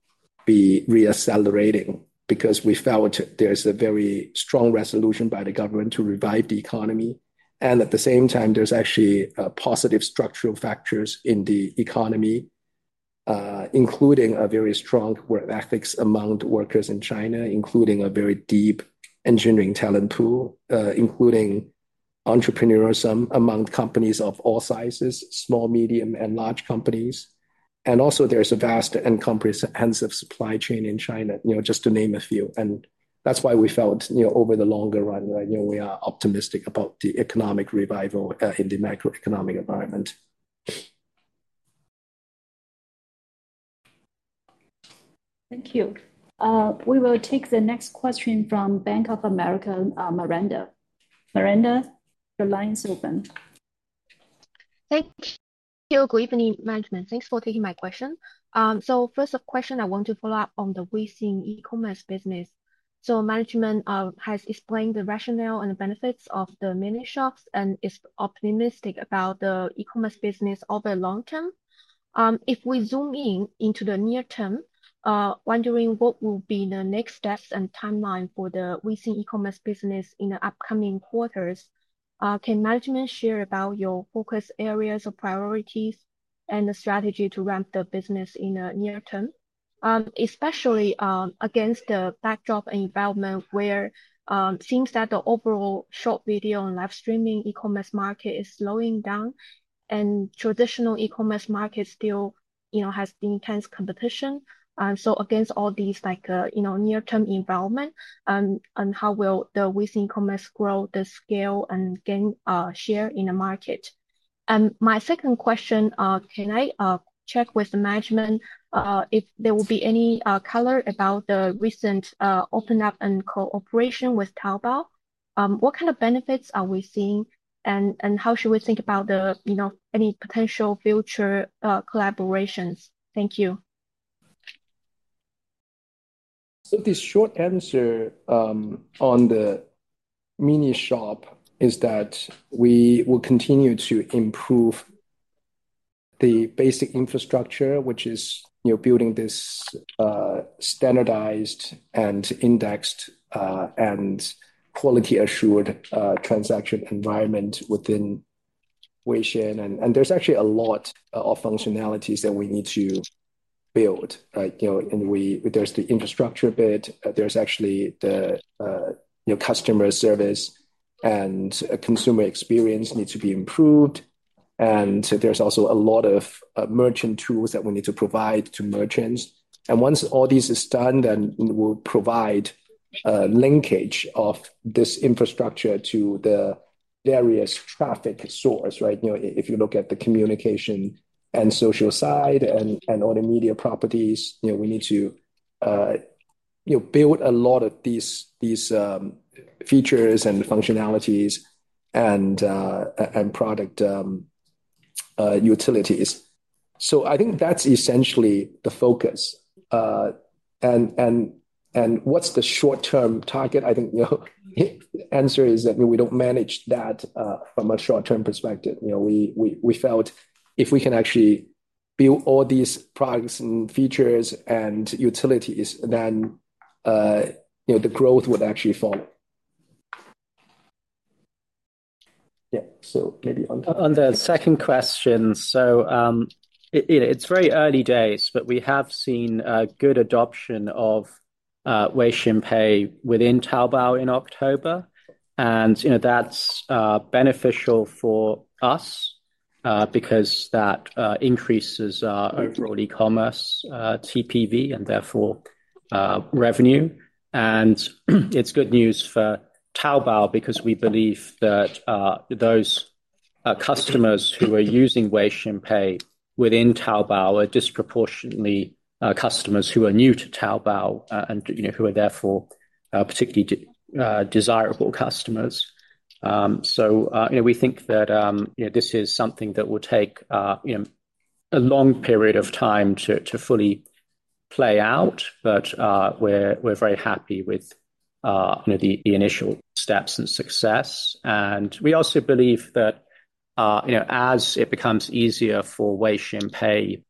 be reaccelerating because we felt there's a very strong resolution by the government to revive the economy. At the same time, there's actually positive structural factors in the economy, including a very strong work ethics among the workers in China, including a very deep engineering talent pool, including entrepreneurism among companies of all sizes, small, medium, and large companies. And also, there's a vast and comprehensive supply chain in China, just to name a few. And that's why we felt over the longer run, we are optimistic about the economic revival in the macroeconomic environment. Thank you. We will take the next question from Bank of America, Miranda. Miranda, the line is open. Thank you. Good evening, management. Thanks for taking my question. So first question, I want to follow up on the Weixin e-commerce business. So management has explained the rationale and the benefits of the Mini Shops and is optimistic about the e-commerce business over the long term. If we zoom in into the near term, wondering what will be the next steps and timeline for the Weixin e-commerce business in the upcoming quarters, can management share about your focus areas of priorities and the strategy to ramp the business in the near term, especially against the backdrop and development where it seems that the overall short video and live streaming e-commerce market is slowing down and traditional e-commerce market still has intense competition? So against all these near-term environment, how will the Weixin e-commerce grow the scale and gain share in the market? My second question, can I check with the management if there will be any color about the recent open-up and cooperation with Taobao? What kind of benefits are we seeing? And how should we think about any potential future collaborations? Thank you. So the short answer on the Mini Shops is that we will continue to improve the basic infrastructure, which is building this standardized and indexed and quality-assured transaction environment within Weixin. And there's actually a lot of functionalities that we need to build. And there's the infrastructure bit. There's actually the customer service and consumer experience needs to be improved. And there's also a lot of merchant tools that we need to provide to merchants. And once all this is done, then we'll provide linkage of this infrastructure to the various traffic source. If you look at the communication and social side and all the media properties, we need to build a lot of these features and functionalities and product utilities. So I think that's essentially the focus. And what's the short-term target? I think the answer is that we don't manage that from a short-term perspective. We felt if we can actually build all these products and features and utilities, then the growth would actually follow. Yeah, so maybe on that. On the second question, so it's very early days, but we have seen good adoption of Weixin Pay within Taobao in October. And that's beneficial for us because that increases our overall e-commerce TPV and therefore revenue. And it's good news for Taobao because we believe that those customers who are using Weixin Pay within Taobao are disproportionately customers who are new to Taobao and who are therefore particularly desirable customers. So we think that this is something that will take a long period of time to fully play out, but we're very happy with the initial steps and success. And we also believe that as it becomes easier for Weixin Pay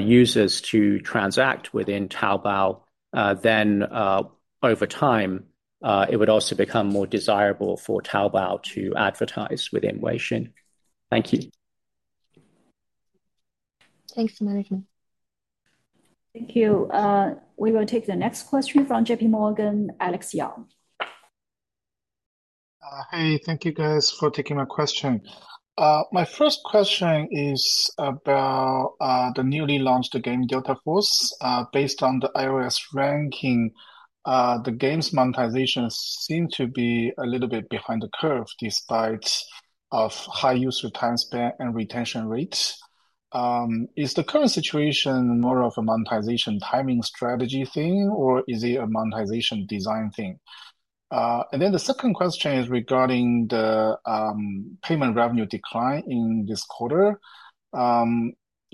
users to transact within Taobao, then over time, it would also become more desirable for Taobao to advertise within Weixin. Thank you. Thanks, management. Thank you. We will take the next question from J.P. Morgan, Alex Yao. Hey, thank you guys for taking my question. My first question is about the newly launched game Delta Force. Based on the iOS ranking, the game's monetization seemed to be a little bit behind the curve despite high user time span and retention rates. Is the current situation more of a monetization timing strategy thing, or is it a monetization design thing? And then the second question is regarding the payment revenue decline in this quarter.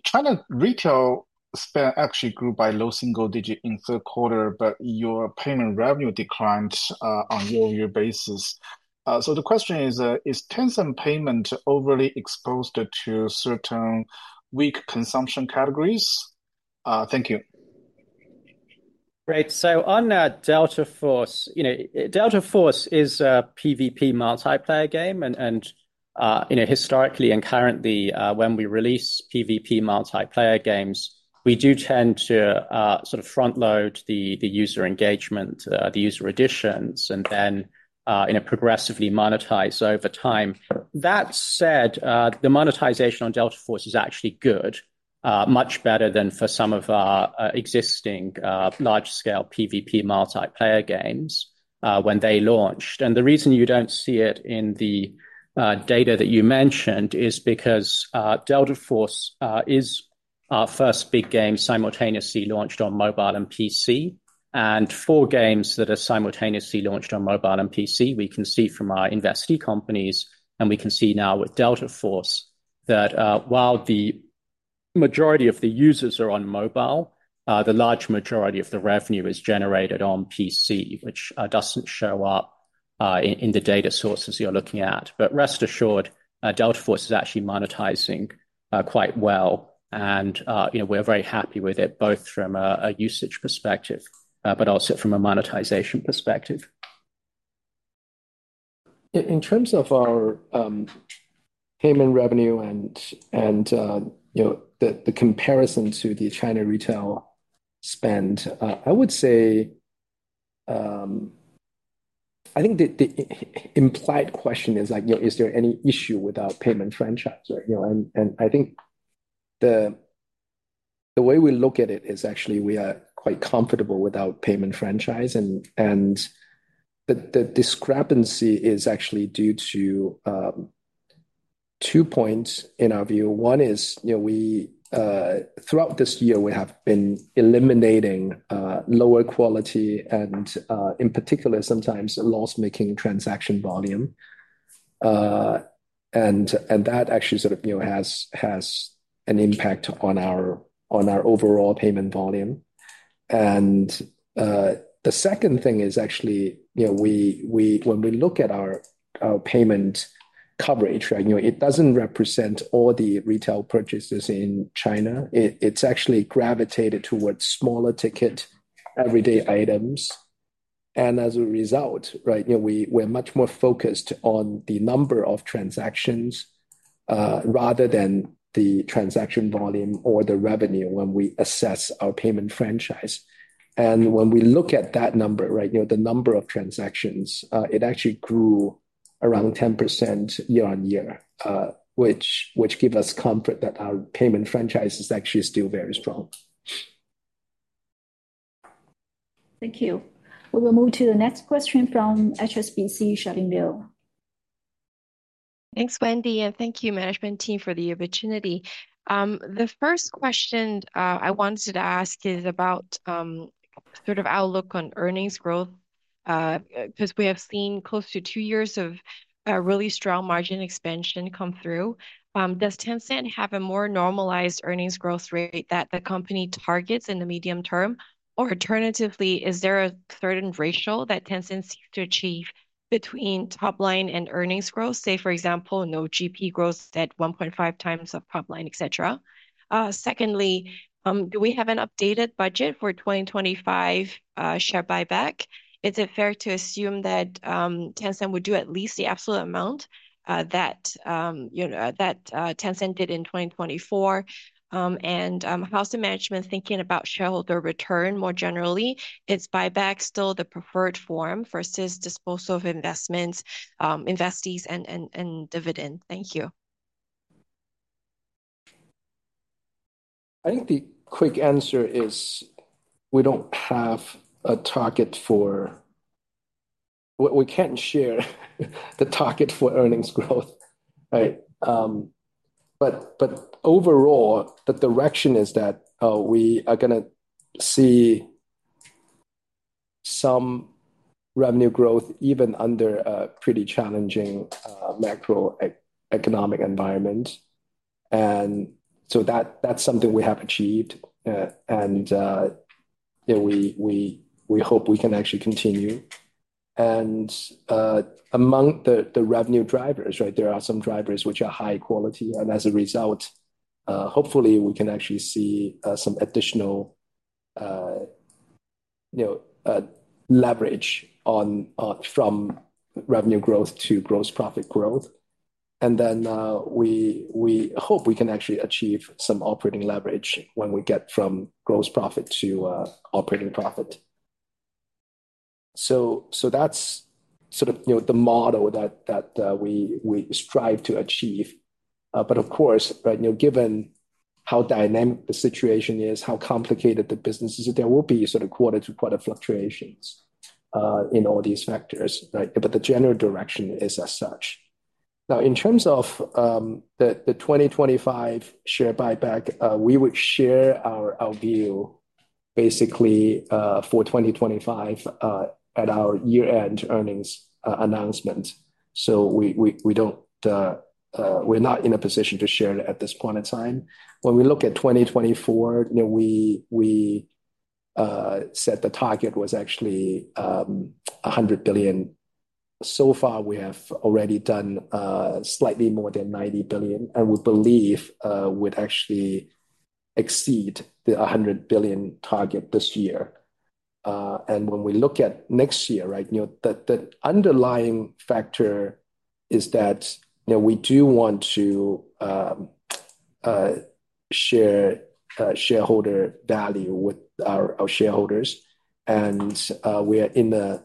China retail spend actually grew by low single digit in Q3, but your payment revenue declined on a year-on-year basis. So the question is, is Tencent payment overly exposed to certain weak consumption categories? Thank you. Great. So on Delta Force, Delta Force is a PvP multiplayer game. And historically and currently, when we release PvP multiplayer games, we do tend to sort of front-load the user engagement, the user additions, and then progressively monetize over time. That said, the monetization on Delta Force is actually good, much better than for some of our existing large-scale PvP multiplayer games when they launched. And the reason you don't see it in the data that you mentioned is because Delta Force is our first big game simultaneously launched on mobile and PC. And for games that are simultaneously launched on mobile and PC, we can see from our investee companies, and we can see now with Delta Force that while the majority of the users are on mobile, the large majority of the revenue is generated on PC, which doesn't show up in the data sources you're looking at. But rest assured, Delta Force is actually monetizing quite well. And we're very happy with it, both from a usage perspective, but also from a monetization perspective. In terms of our payment revenue and the comparison to the China retail spend, I would say I think the implied question is, is there any issue with our payment franchise? And I think the way we look at it is actually we are quite comfortable with our payment franchise. And the discrepancy is actually due to two points in our view. One is throughout this year, we have been eliminating lower quality and, in particular, sometimes loss-making transaction volume. And that actually sort of has an impact on our overall payment volume. And the second thing is actually when we look at our payment coverage, it doesn't represent all the retail purchases in China. It's actually gravitated towards smaller ticket everyday items. And as a result, we're much more focused on the number of transactions rather than the transaction volume or the revenue when we assess our payment franchise. When we look at that number, the number of transactions, it actually grew around 10% year-on-year, which gives us comfort that our payment franchise is actually still very strong. Thank you. We will move to the next question from HSBC, Charlene Liu. Thanks, Wendy, and thank you, management team, for the opportunity. The first question I wanted to ask is about sort of outlook on earnings growth because we have seen close to two years of really strong margin expansion come through. Does Tencent have a more normalized earnings growth rate that the company targets in the medium term? Or alternatively, is there a certain ratio that Tencent seeks to achieve between top line and earnings growth? Say, for example, non-GAAP growth at 1.5 times of top line, etc. Secondly, do we have an updated budget for 2025 share buyback? Is it fair to assume that Tencent would do at least the absolute amount that Tencent did in 2024? And how's the management thinking about shareholder return more generally? Is buyback still the preferred form versus disposal of investments, investees, and dividend? Thank you. I think the quick answer is we don't have a target. We can't share the target for earnings growth. But overall, the direction is that we are going to see some revenue growth even under a pretty challenging macroeconomic environment. And so that's something we have achieved. And we hope we can actually continue. And among the revenue drivers, there are some drivers which are high quality. And as a result, hopefully, we can actually see some additional leverage from revenue growth to gross profit growth. And then we hope we can actually achieve some operating leverage when we get from gross profit to operating profit. So that's sort of the model that we strive to achieve. But of course, given how dynamic the situation is, how complicated the business is, there will be sort of quarter-to-quarter fluctuations in all these factors. But the general direction is as such. Now, in terms of the 2025 share buyback, we would share our view basically for 2025 at our year-end earnings announcement. So we're not in a position to share it at this point in time. When we look at 2024, we said the target was actually 100 billion. So far, we have already done slightly more than 90 billion. And we believe we'd actually exceed the 100 billion target this year. And when we look at next year, the underlying factor is that we do want to share shareholder value with our shareholders. And we are in a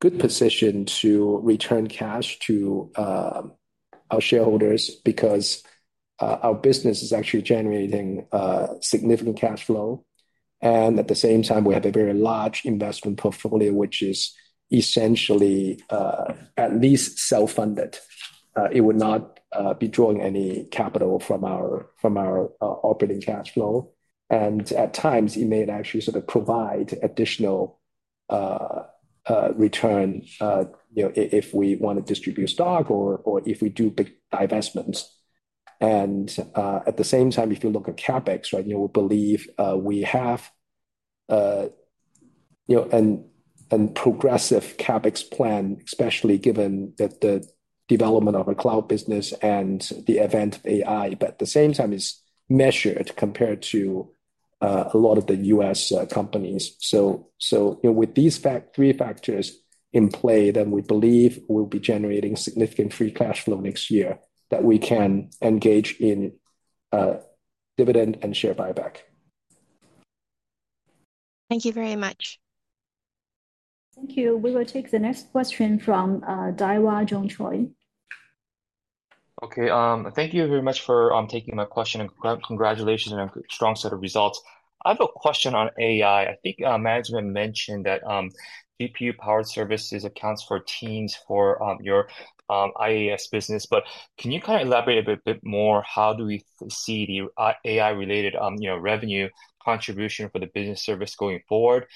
good position to return cash to our shareholders because our business is actually generating significant cash flow. And at the same time, we have a very large investment portfolio, which is essentially at least self-funded. It would not be drawing any capital from our operating cash flow. And at times, it may actually sort of provide additional return if we want to distribute stock or if we do big divestments. And at the same time, if you look at CapEx, we believe we have a progressive CapEx plan, especially given the development of our cloud business and the advance of AI, but at the same time, it's measured compared to a lot of the U.S. companies. So with these three factors in play, then we believe we'll be generating significant free cash flow next year that we can engage in dividend and share buyback. Thank you very much. Thank you. We will take the next question from Daiwa John Choi. Okay. Thank you very much for taking my question. Congratulations on a strong set of results. I have a question on AI. I think management mentioned that GPU-powered services accounts for teens for your IaaS business. But can you kind of elaborate a bit more? How do we see the AI-related revenue contribution for the business service going forward?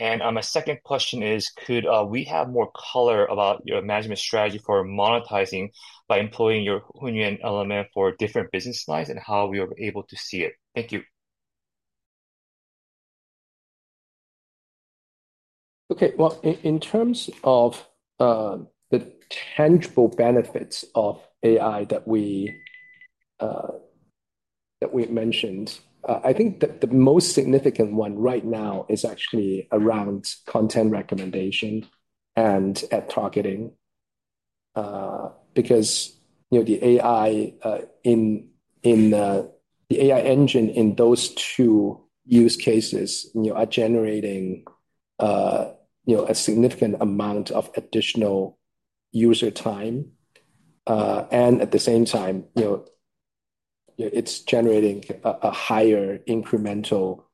And my second question is, could we have more color about your management strategy for monetizing by employing your Hunyuan model for different business lines and how we are able to see it? Thank you. Okay. Well, in terms of the tangible benefits of AI that we mentioned, I think the most significant one right now is actually around content recommendation and ad targeting because the AI engine in those two use cases are generating a significant amount of additional user time. And at the same time, it's generating a higher incremental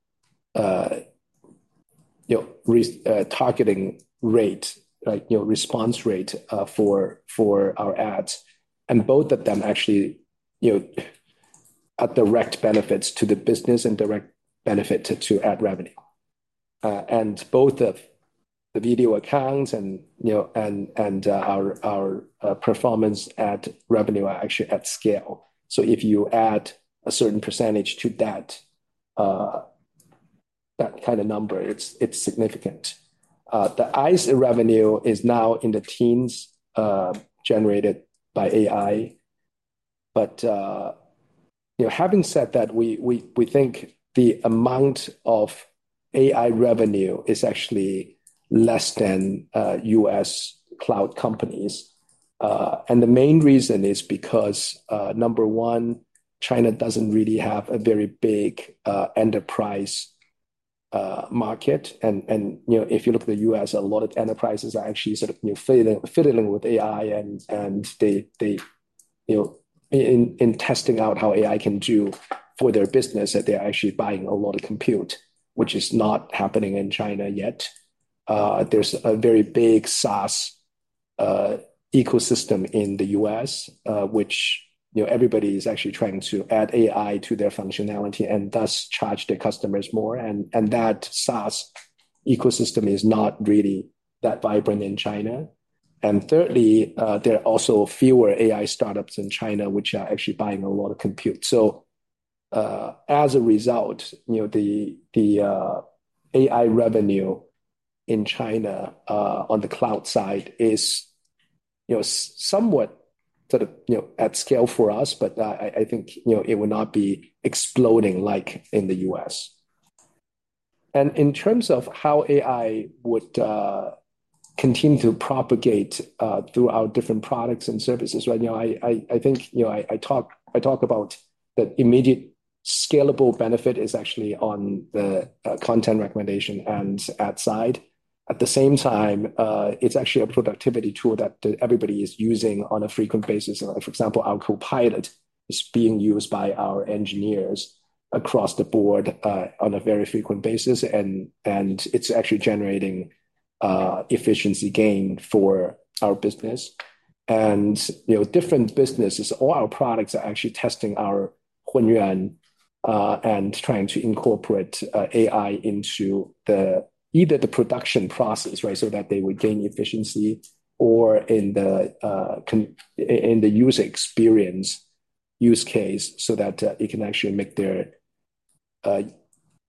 targeting rate, response rate for our ads. And both of them actually add direct benefits to the business and direct benefit to ad revenue. And both of the Video Accounts and our performance ad revenue are actually at scale. So if you add a certain percentage to that kind of number, it's significant. The AI revenue is now in the tens generated by AI. But having said that, we think the amount of AI revenue is actually less than U.S. cloud companies. The main reason is because, number one, China doesn't really have a very big enterprise market. If you look at the US, a lot of enterprises are actually sort of fiddling with AI and in testing out how AI can do for their business, they're actually buying a lot of compute, which is not happening in China yet. There's a very big SaaS ecosystem in the US, which everybody is actually trying to add AI to their functionality and thus charge their customers more. That SaaS ecosystem is not really that vibrant in China. Thirdly, there are also fewer AI startups in China which are actually buying a lot of compute. So as a result, the AI revenue in China on the cloud side is somewhat sort of at scale for us, but I think it will not be exploding like in the US. In terms of how AI would continue to propagate through our different products and services, I think I talk about that immediate scalable benefit is actually on the content recommendation and ad side. At the same time, it's actually a productivity tool that everybody is using on a frequent basis. For example, our Copilot is being used by our engineers across the board on a very frequent basis. It's actually generating efficiency gain for our business. Different businesses, all our products are actually testing our Hunyuan and trying to incorporate AI into either the production process so that they would gain efficiency or in the user experience use case so that it can actually make their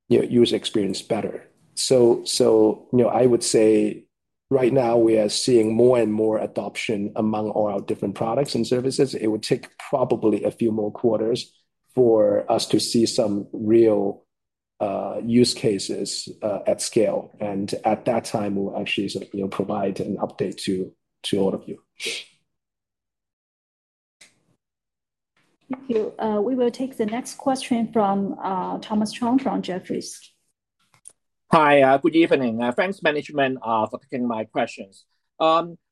user experience better. I would say right now, we are seeing more and more adoption among all our different products and services. It would take probably a few more quarters for us to see some real use cases at scale, and at that time, we'll actually provide an update to all of you. Thank you. We will take the next question from Thomas Chong from Jefferies. Hi, good evening. Thanks, management, for taking my questions.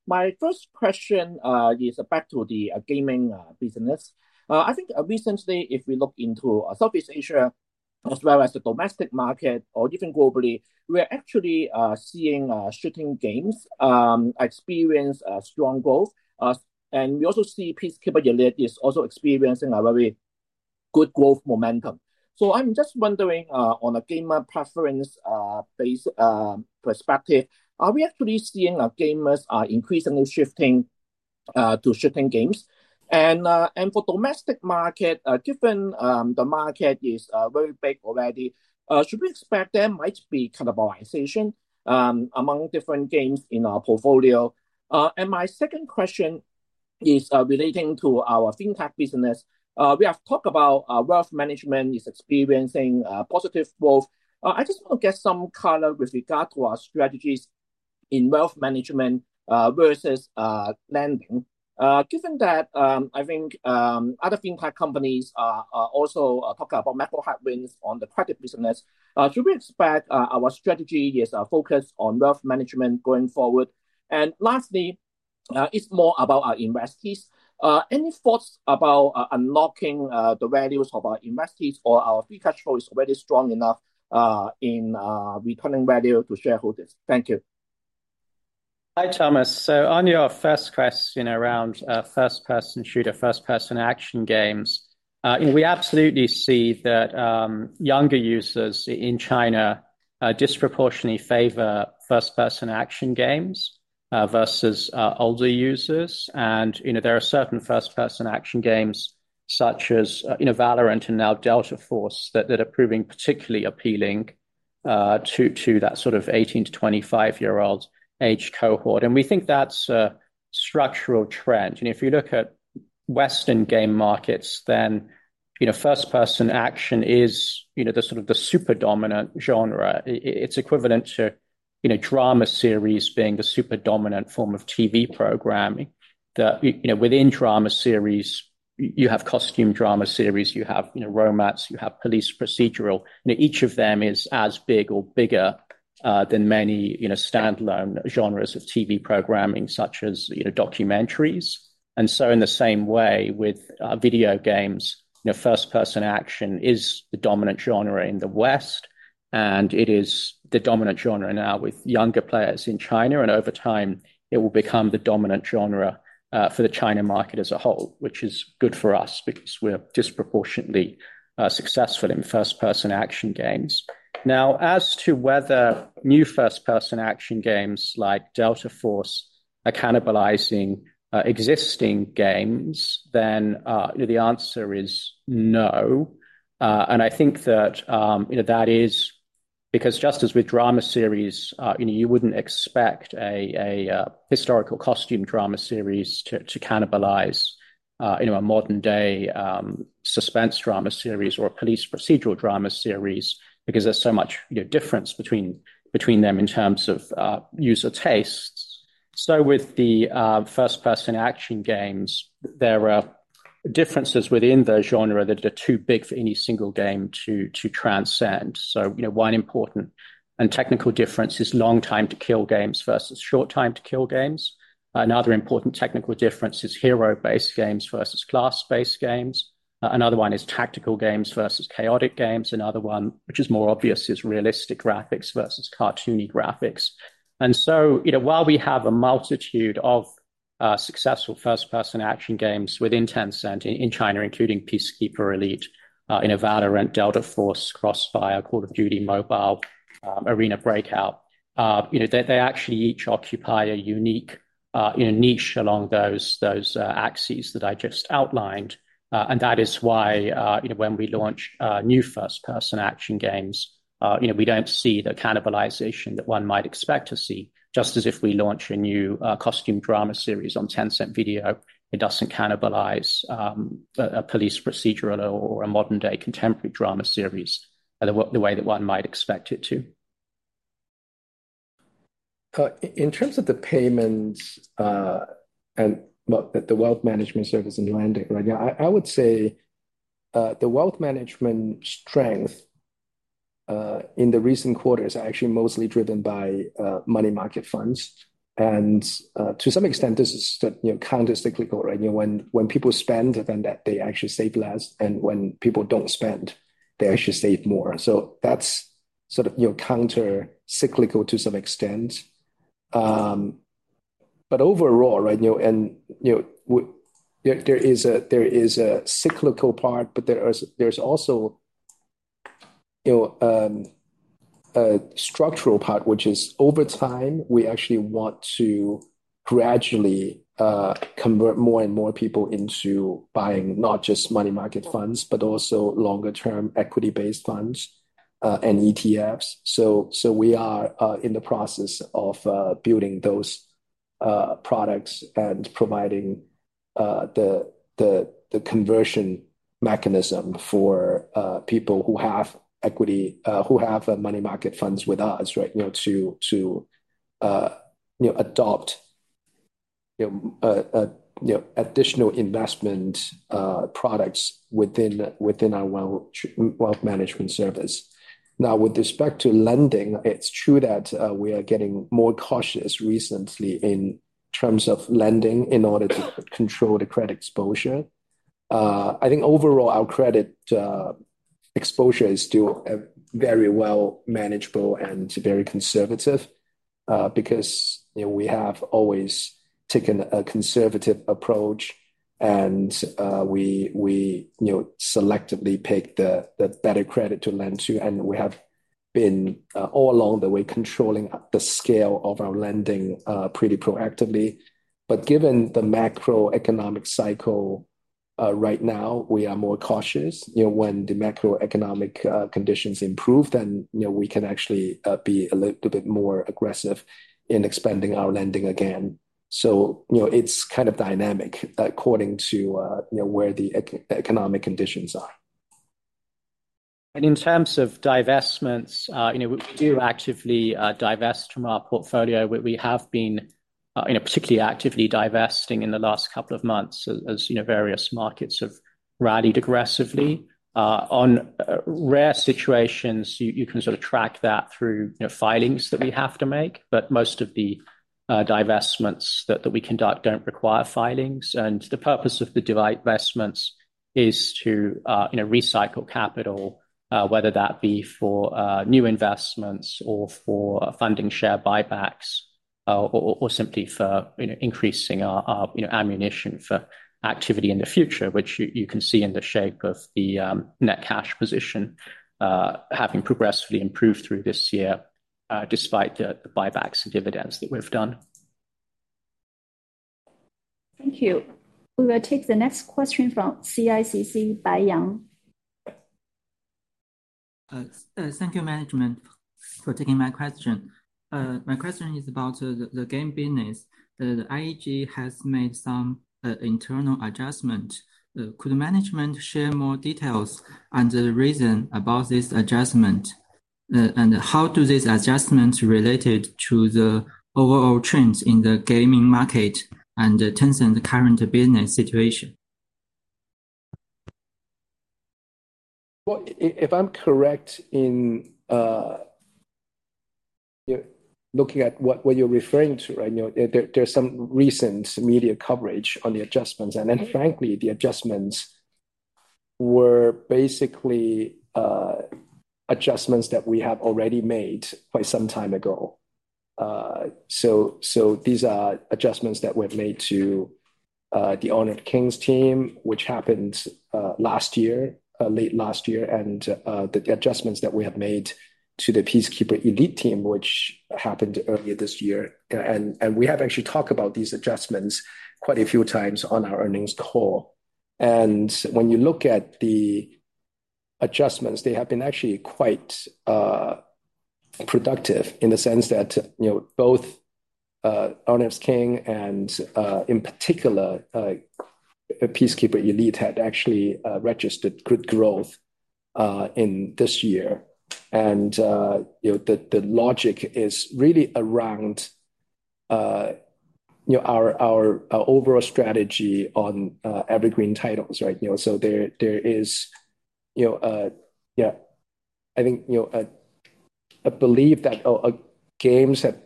My first question is back to the gaming business. I think recently, if we look into Southeast Asia as well as the domestic market or even globally, we are actually seeing shooting games experience strong growth. And we also see Peacekeeper Elite is also experiencing a very good growth momentum. So I'm just wondering on a gamer preference perspective, are we actually seeing gamers increasingly shifting to shooting games? And for domestic market, given the market is very big already, should we expect there might be cannibalization among different games in our portfolio? And my second question is relating to our fintech business. We have talked about wealth management is experiencing positive growth. I just want to get some color with regard to our strategies in wealth management versus lending. Given that I think other fintech companies are also talking about macro headwinds on the credit business, should we expect our strategy is focused on wealth management going forward? And lastly, it's more about our investees. Any thoughts about unlocking the values of our investees or our free cash flow is already strong enough in returning value to shareholders? Thank you. Hi, Thomas. So on your first question around first-person shooter, first-person action games, we absolutely see that younger users in China disproportionately favor first-person action games versus older users. And there are certain first-person action games such as Valorant and now Delta Force that are proving particularly appealing to that sort of 18 to 25-year-old age cohort. And we think that's a structural trend. If you look at Western game markets, then first-person action is sort of the super dominant genre. It's equivalent to drama series being the super dominant form of TV programming. Within drama series, you have costume drama series, you have romance, you have police procedural. Each of them is as big or bigger than many standalone genres of TV programming such as documentaries. And so in the same way, with video games, first-person action is the dominant genre in the West. It is the dominant genre now with younger players in China. Over time, it will become the dominant genre for the China market as a whole, which is good for us because we're disproportionately successful in first-person action games. Now, as to whether new first-person action games like Delta Force are cannibalizing existing games, then the answer is no. I think that that is because just as with drama series, you wouldn't expect a historical costume drama series to cannibalize a modern-day suspense drama series or a police procedural drama series because there's so much difference between them in terms of user tastes. With the first-person action games, there are differences within the genre that are too big for any single game to transcend. One important and technical difference is long time to kill games versus short time to kill games. Another important technical difference is hero-based games versus class-based games. Another one is tactical games versus chaotic games. Another one, which is more obvious, is realistic graphics versus cartoony graphics. And so while we have a multitude of successful first-person action games within Tencent in China, including Peacekeeper Elite, Valorant, and Delta Force, Crossfire, Call of Duty Mobile, Arena Breakout, they actually each occupy a unique niche along those axes that I just outlined. And that is why when we launch new first-person action games, we don't see the cannibalization that one might expect to see. Just as if we launch a new costume drama series on Tencent Video, it doesn't cannibalize a police procedural or a modern-day contemporary drama series the way that one might expect it to. In terms of the payments and the wealth management service in lending, I would say the wealth management strength in the recent quarters are actually mostly driven by money market funds. And to some extent, this is countercyclical. When people spend, then they actually save less. And when people don't spend, they actually save more. So that's sort of countercyclical to some extent. But overall, there is a cyclical part, but there's also a structural part, which is over time, we actually want to gradually convert more and more people into buying not just money market funds, but also longer-term equity-based funds and ETFs. So we are in the process of building those products and providing the conversion mechanism for people who have equity, who have money market funds with us to adopt additional investment products within our wealth management service. Now, with respect to lending, it's true that we are getting more cautious recently in terms of lending in order to control the credit exposure. I think overall, our credit exposure is still very well manageable and very conservative because we have always taken a conservative approach. We selectively pick the better credit to lend to. We have been all along the way controlling the scale of our lending pretty proactively. Given the macroeconomic cycle right now, we are more cautious. When the macroeconomic conditions improve, then we can actually be a little bit more aggressive in expanding our lending again. It's kind of dynamic according to where the economic conditions are. And in terms of divestments, we do actively divest from our portfolio. We have been particularly actively divesting in the last couple of months as various markets have rallied aggressively. On rare situations, you can sort of track that through filings that we have to make. But most of the divestments that we conduct don't require filings. And the purpose of the divestments is to recycle capital, whether that be for new investments or for funding share buybacks or simply for increasing our ammunition for activity in the future, which you can see in the shape of the net cash position having progressively improved through this year despite the buybacks and dividends that we've done. Thank you. We will take the next question from CICC, Bai Yang. Thank you, management, for taking my question. My question is about the game business. The IEG has made some internal adjustments. Could management share more details on the reason about this adjustment, and how do these adjustments relate to the overall trends in the gaming market and Tencent's current business situation? If I'm correct in looking at what you're referring to, there's some recent media coverage on the adjustments, and then frankly, the adjustments were basically adjustments that we have already made quite some time ago, so these are adjustments that were made to the Honor of Kings team, which happened last year, late last year, and the adjustments that we have made to the Peacekeeper Elite team, which happened earlier this year, and we have actually talked about these adjustments quite a few times on our earnings call, and when you look at the adjustments, they have been actually quite productive in the sense that both Honor of Kings and in particular, Peacekeeper Elite had actually registered good growth in this year, and the logic is really around our overall strategy on evergreen titles, so there is, yeah, I think a belief that games have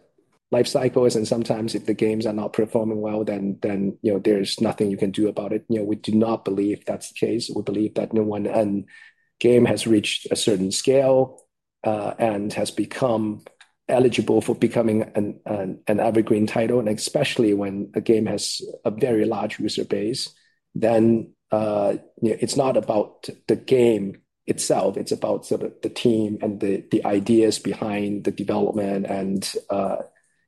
life cycles. Sometimes if the games are not performing well, then there's nothing you can do about it. We do not believe that's the case. We believe that when a game has reached a certain scale and has become eligible for becoming an evergreen title, and especially when a game has a very large user base, then it's not about the game itself. It's about the team and the ideas behind the development and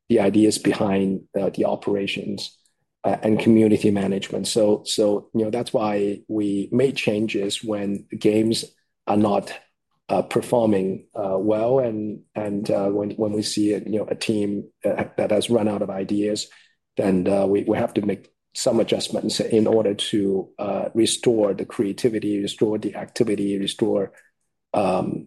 the ideas behind the operations and community management. That's why we make changes when games are not performing well. When we see a team that has run out of ideas, then we have to make some adjustments in order to restore the creativity, restore the activity, restore the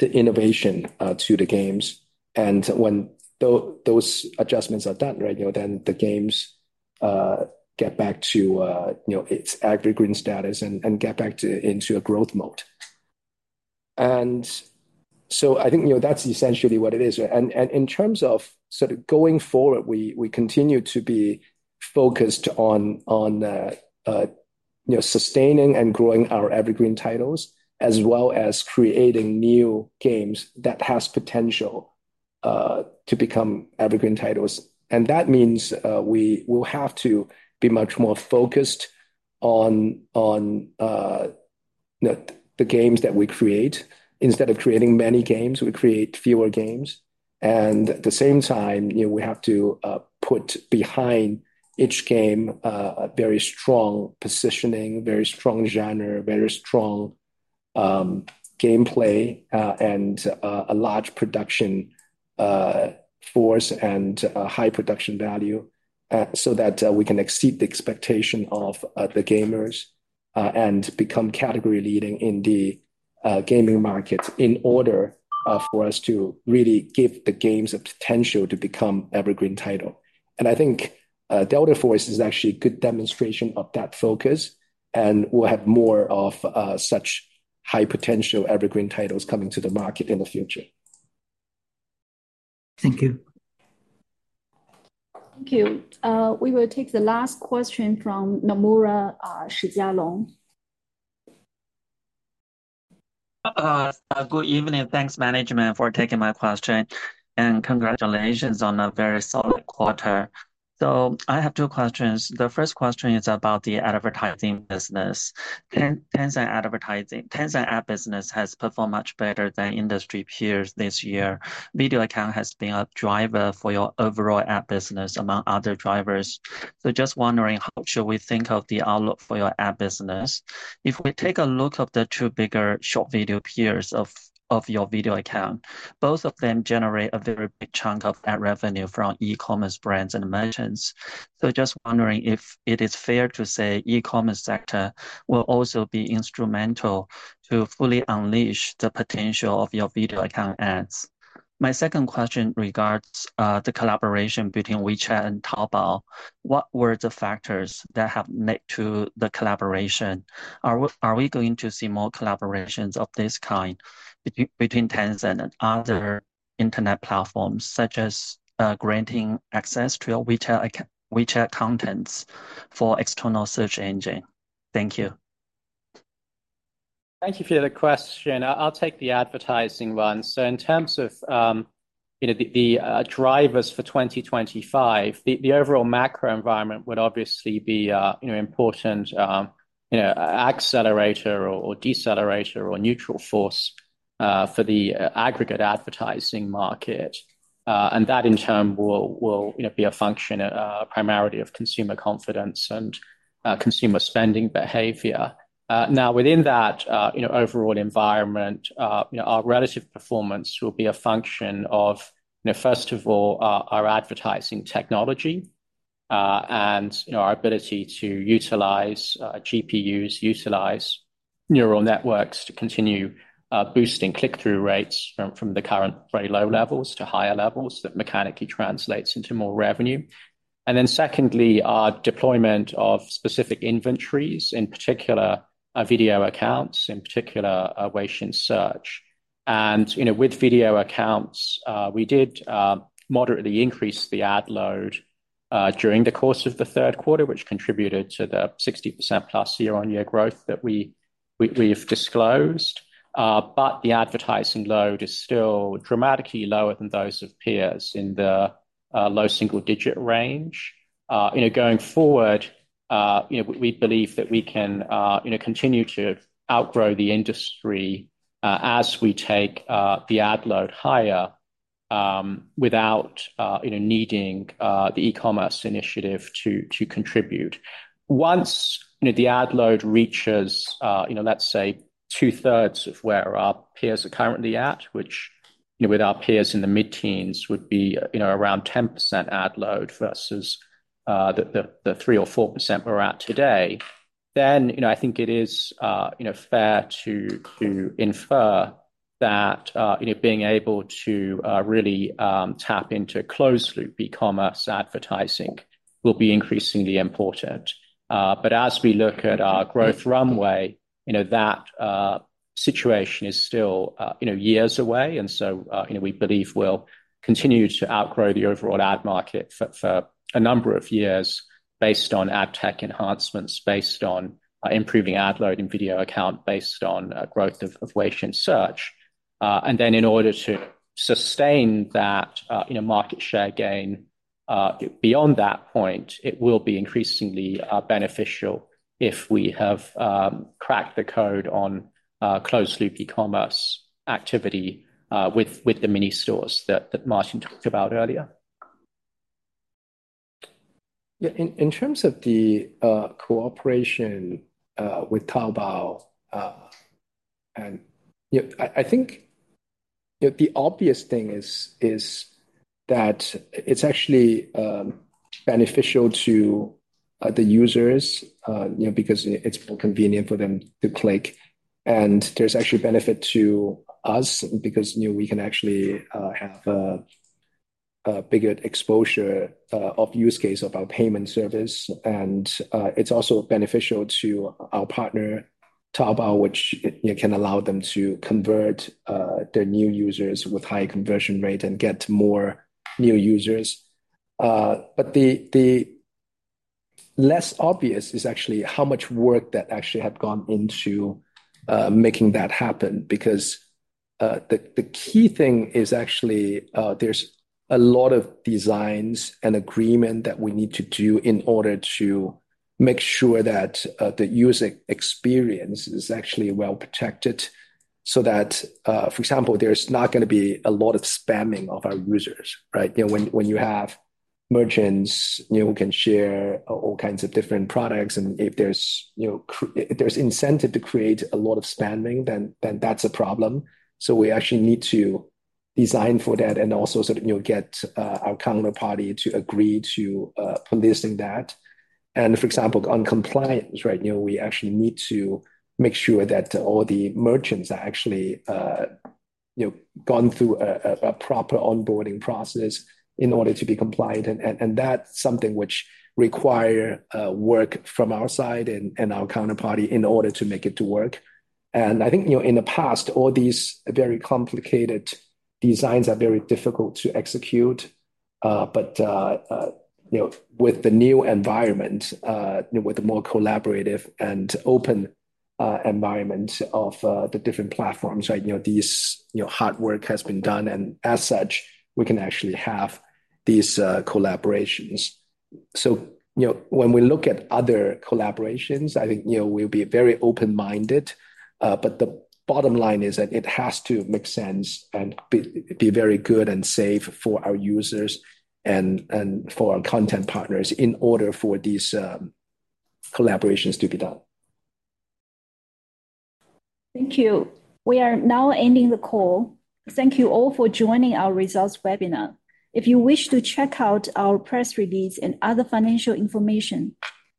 innovation to the games. When those adjustments are done, then the games get back to its evergreen status and get back into a growth mode. So I think that's essentially what it is. In terms of sort of going forward, we continue to be focused on sustaining and growing our evergreen titles as well as creating new games that have potential to become evergreen titles. That means we will have to be much more focused on the games that we create. Instead of creating many games, we create fewer games. At the same time, we have to put behind each game a very strong positioning, very strong genre, very strong gameplay, and a large production force and high production value so that we can exceed the expectation of the gamers and become category leading in the gaming market in order for us to really give the games a potential to become evergreen title. I think Delta Force is actually a good demonstration of that focus. We'll have more of such high potential evergreen titles coming to the market in the future. Thank you. Thank you. We will take the last question from Nomura's Jialong Shi. Good evening. Thanks, management, for taking my question. Congratulations on a very solid quarter. I have two questions. The first question is about the advertising business. Tencent advertising, Tencent ad business has performed much better than industry peers this year. Video Accounts has been a driver for your overall ad business among other drivers. Just wondering, how should we think of the outlook for your ad business? If we take a look at the two bigger short video peers of your Video Accounts, both of them generate a very big chunk of ad revenue from e-commerce brands and merchants. Just wondering if it is fair to say e-commerce sector will also be instrumental to fully unleash the potential of your Video Accounts ads. My second question regards the collaboration between WeChat and Taobao. What were the factors that have led to the collaboration? Are we going to see more collaborations of this kind between Tencent and other internet platforms, such as granting access to your WeChat accounts for external search engine? Thank you. Thank you for the question. I'll take the advertising one. So in terms of the drivers for 2025, the overall macro environment would obviously be an important accelerator or decelerator or neutral force for the aggregate advertising market. And that in turn will be a function primarily of consumer confidence and consumer spending behavior. Now, within that overall environment, our relative performance will be a function of, first of all, our advertising technology and our ability to utilize GPUs, utilize neural networks to continue boosting click-through rates from the current very low levels to higher levels that mechanically translates into more revenue. And then secondly, our deployment of specific inventories, in particular, Video Accounts, in particular, Weixin Search. And with Video Accounts, we did moderately increase the ad load during the course of the Q3, which contributed to the 60% plus year-on-year growth that we've disclosed. But the advertising load is still dramatically lower than those of peers in the low single-digit range. Going forward, we believe that we can continue to outgrow the industry as we take the ad load higher without needing the e-commerce initiative to contribute. Once the ad load reaches, let's say, two-thirds of where our peers are currently at, which with our peers in the mid-teens would be around 10% ad load versus the 3% or 4% we're at today, then I think it is fair to infer that being able to really tap into a closed-loop e-commerce advertising will be increasingly important. But as we look at our growth runway, that situation is still years away. And so we believe we'll continue to outgrow the overall ad market for a number of years based on ad tech enhancements, based on improving ad load in Video Accounts, based on growth of Weixin Search. And then in order to sustain that market share gain beyond that point, it will be increasingly beneficial if we have cracked the code on closed-loop e-commerce activity with the Mini Shops that Martin talked about earlier. Yeah. In terms of the cooperation with Taobao, I think the obvious thing is that it's actually beneficial to the users because it's more convenient for them to click, and there's actually benefit to us because we can actually have a bigger exposure of use case of our payment service, and it's also beneficial to our partner, Taobao, which can allow them to convert their new users with high conversion rate and get more new users, but the less obvious is actually how much work that actually had gone into making that happen, because the key thing is actually there's a lot of designs and agreement that we need to do in order to make sure that the user experience is actually well protected, so that, for example, there's not going to be a lot of spamming of our users. When you have merchants who can share all kinds of different products, and if there's incentive to create a lot of spamming, then that's a problem. So we actually need to design for that and also sort of get our counterparty to agree to policing that. And for example, on compliance, we actually need to make sure that all the merchants have actually gone through a proper onboarding process in order to be compliant. And that's something which requires work from our side and our counterparty in order to make it to work. And I think in the past, all these very complicated designs are very difficult to execute. But with the new environment, with a more collaborative and open environment of the different platforms, these hard work has been done. And as such, we can actually have these collaborations. So when we look at other collaborations, I think we'll be very open-minded. But the bottom line is that it has to make sense and be very good and safe for our users and for our content partners in order for these collaborations to be done. Thank you. We are now ending the call. Thank you all for joining our results webinar. If you wish to check out our press release and other financial information,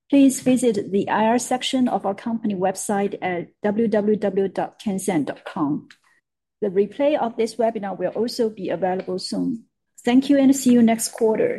please visit the IR section of our company website at www.tencent.com. The replay of this webinar will also be available soon. Thank you and see you next quarter.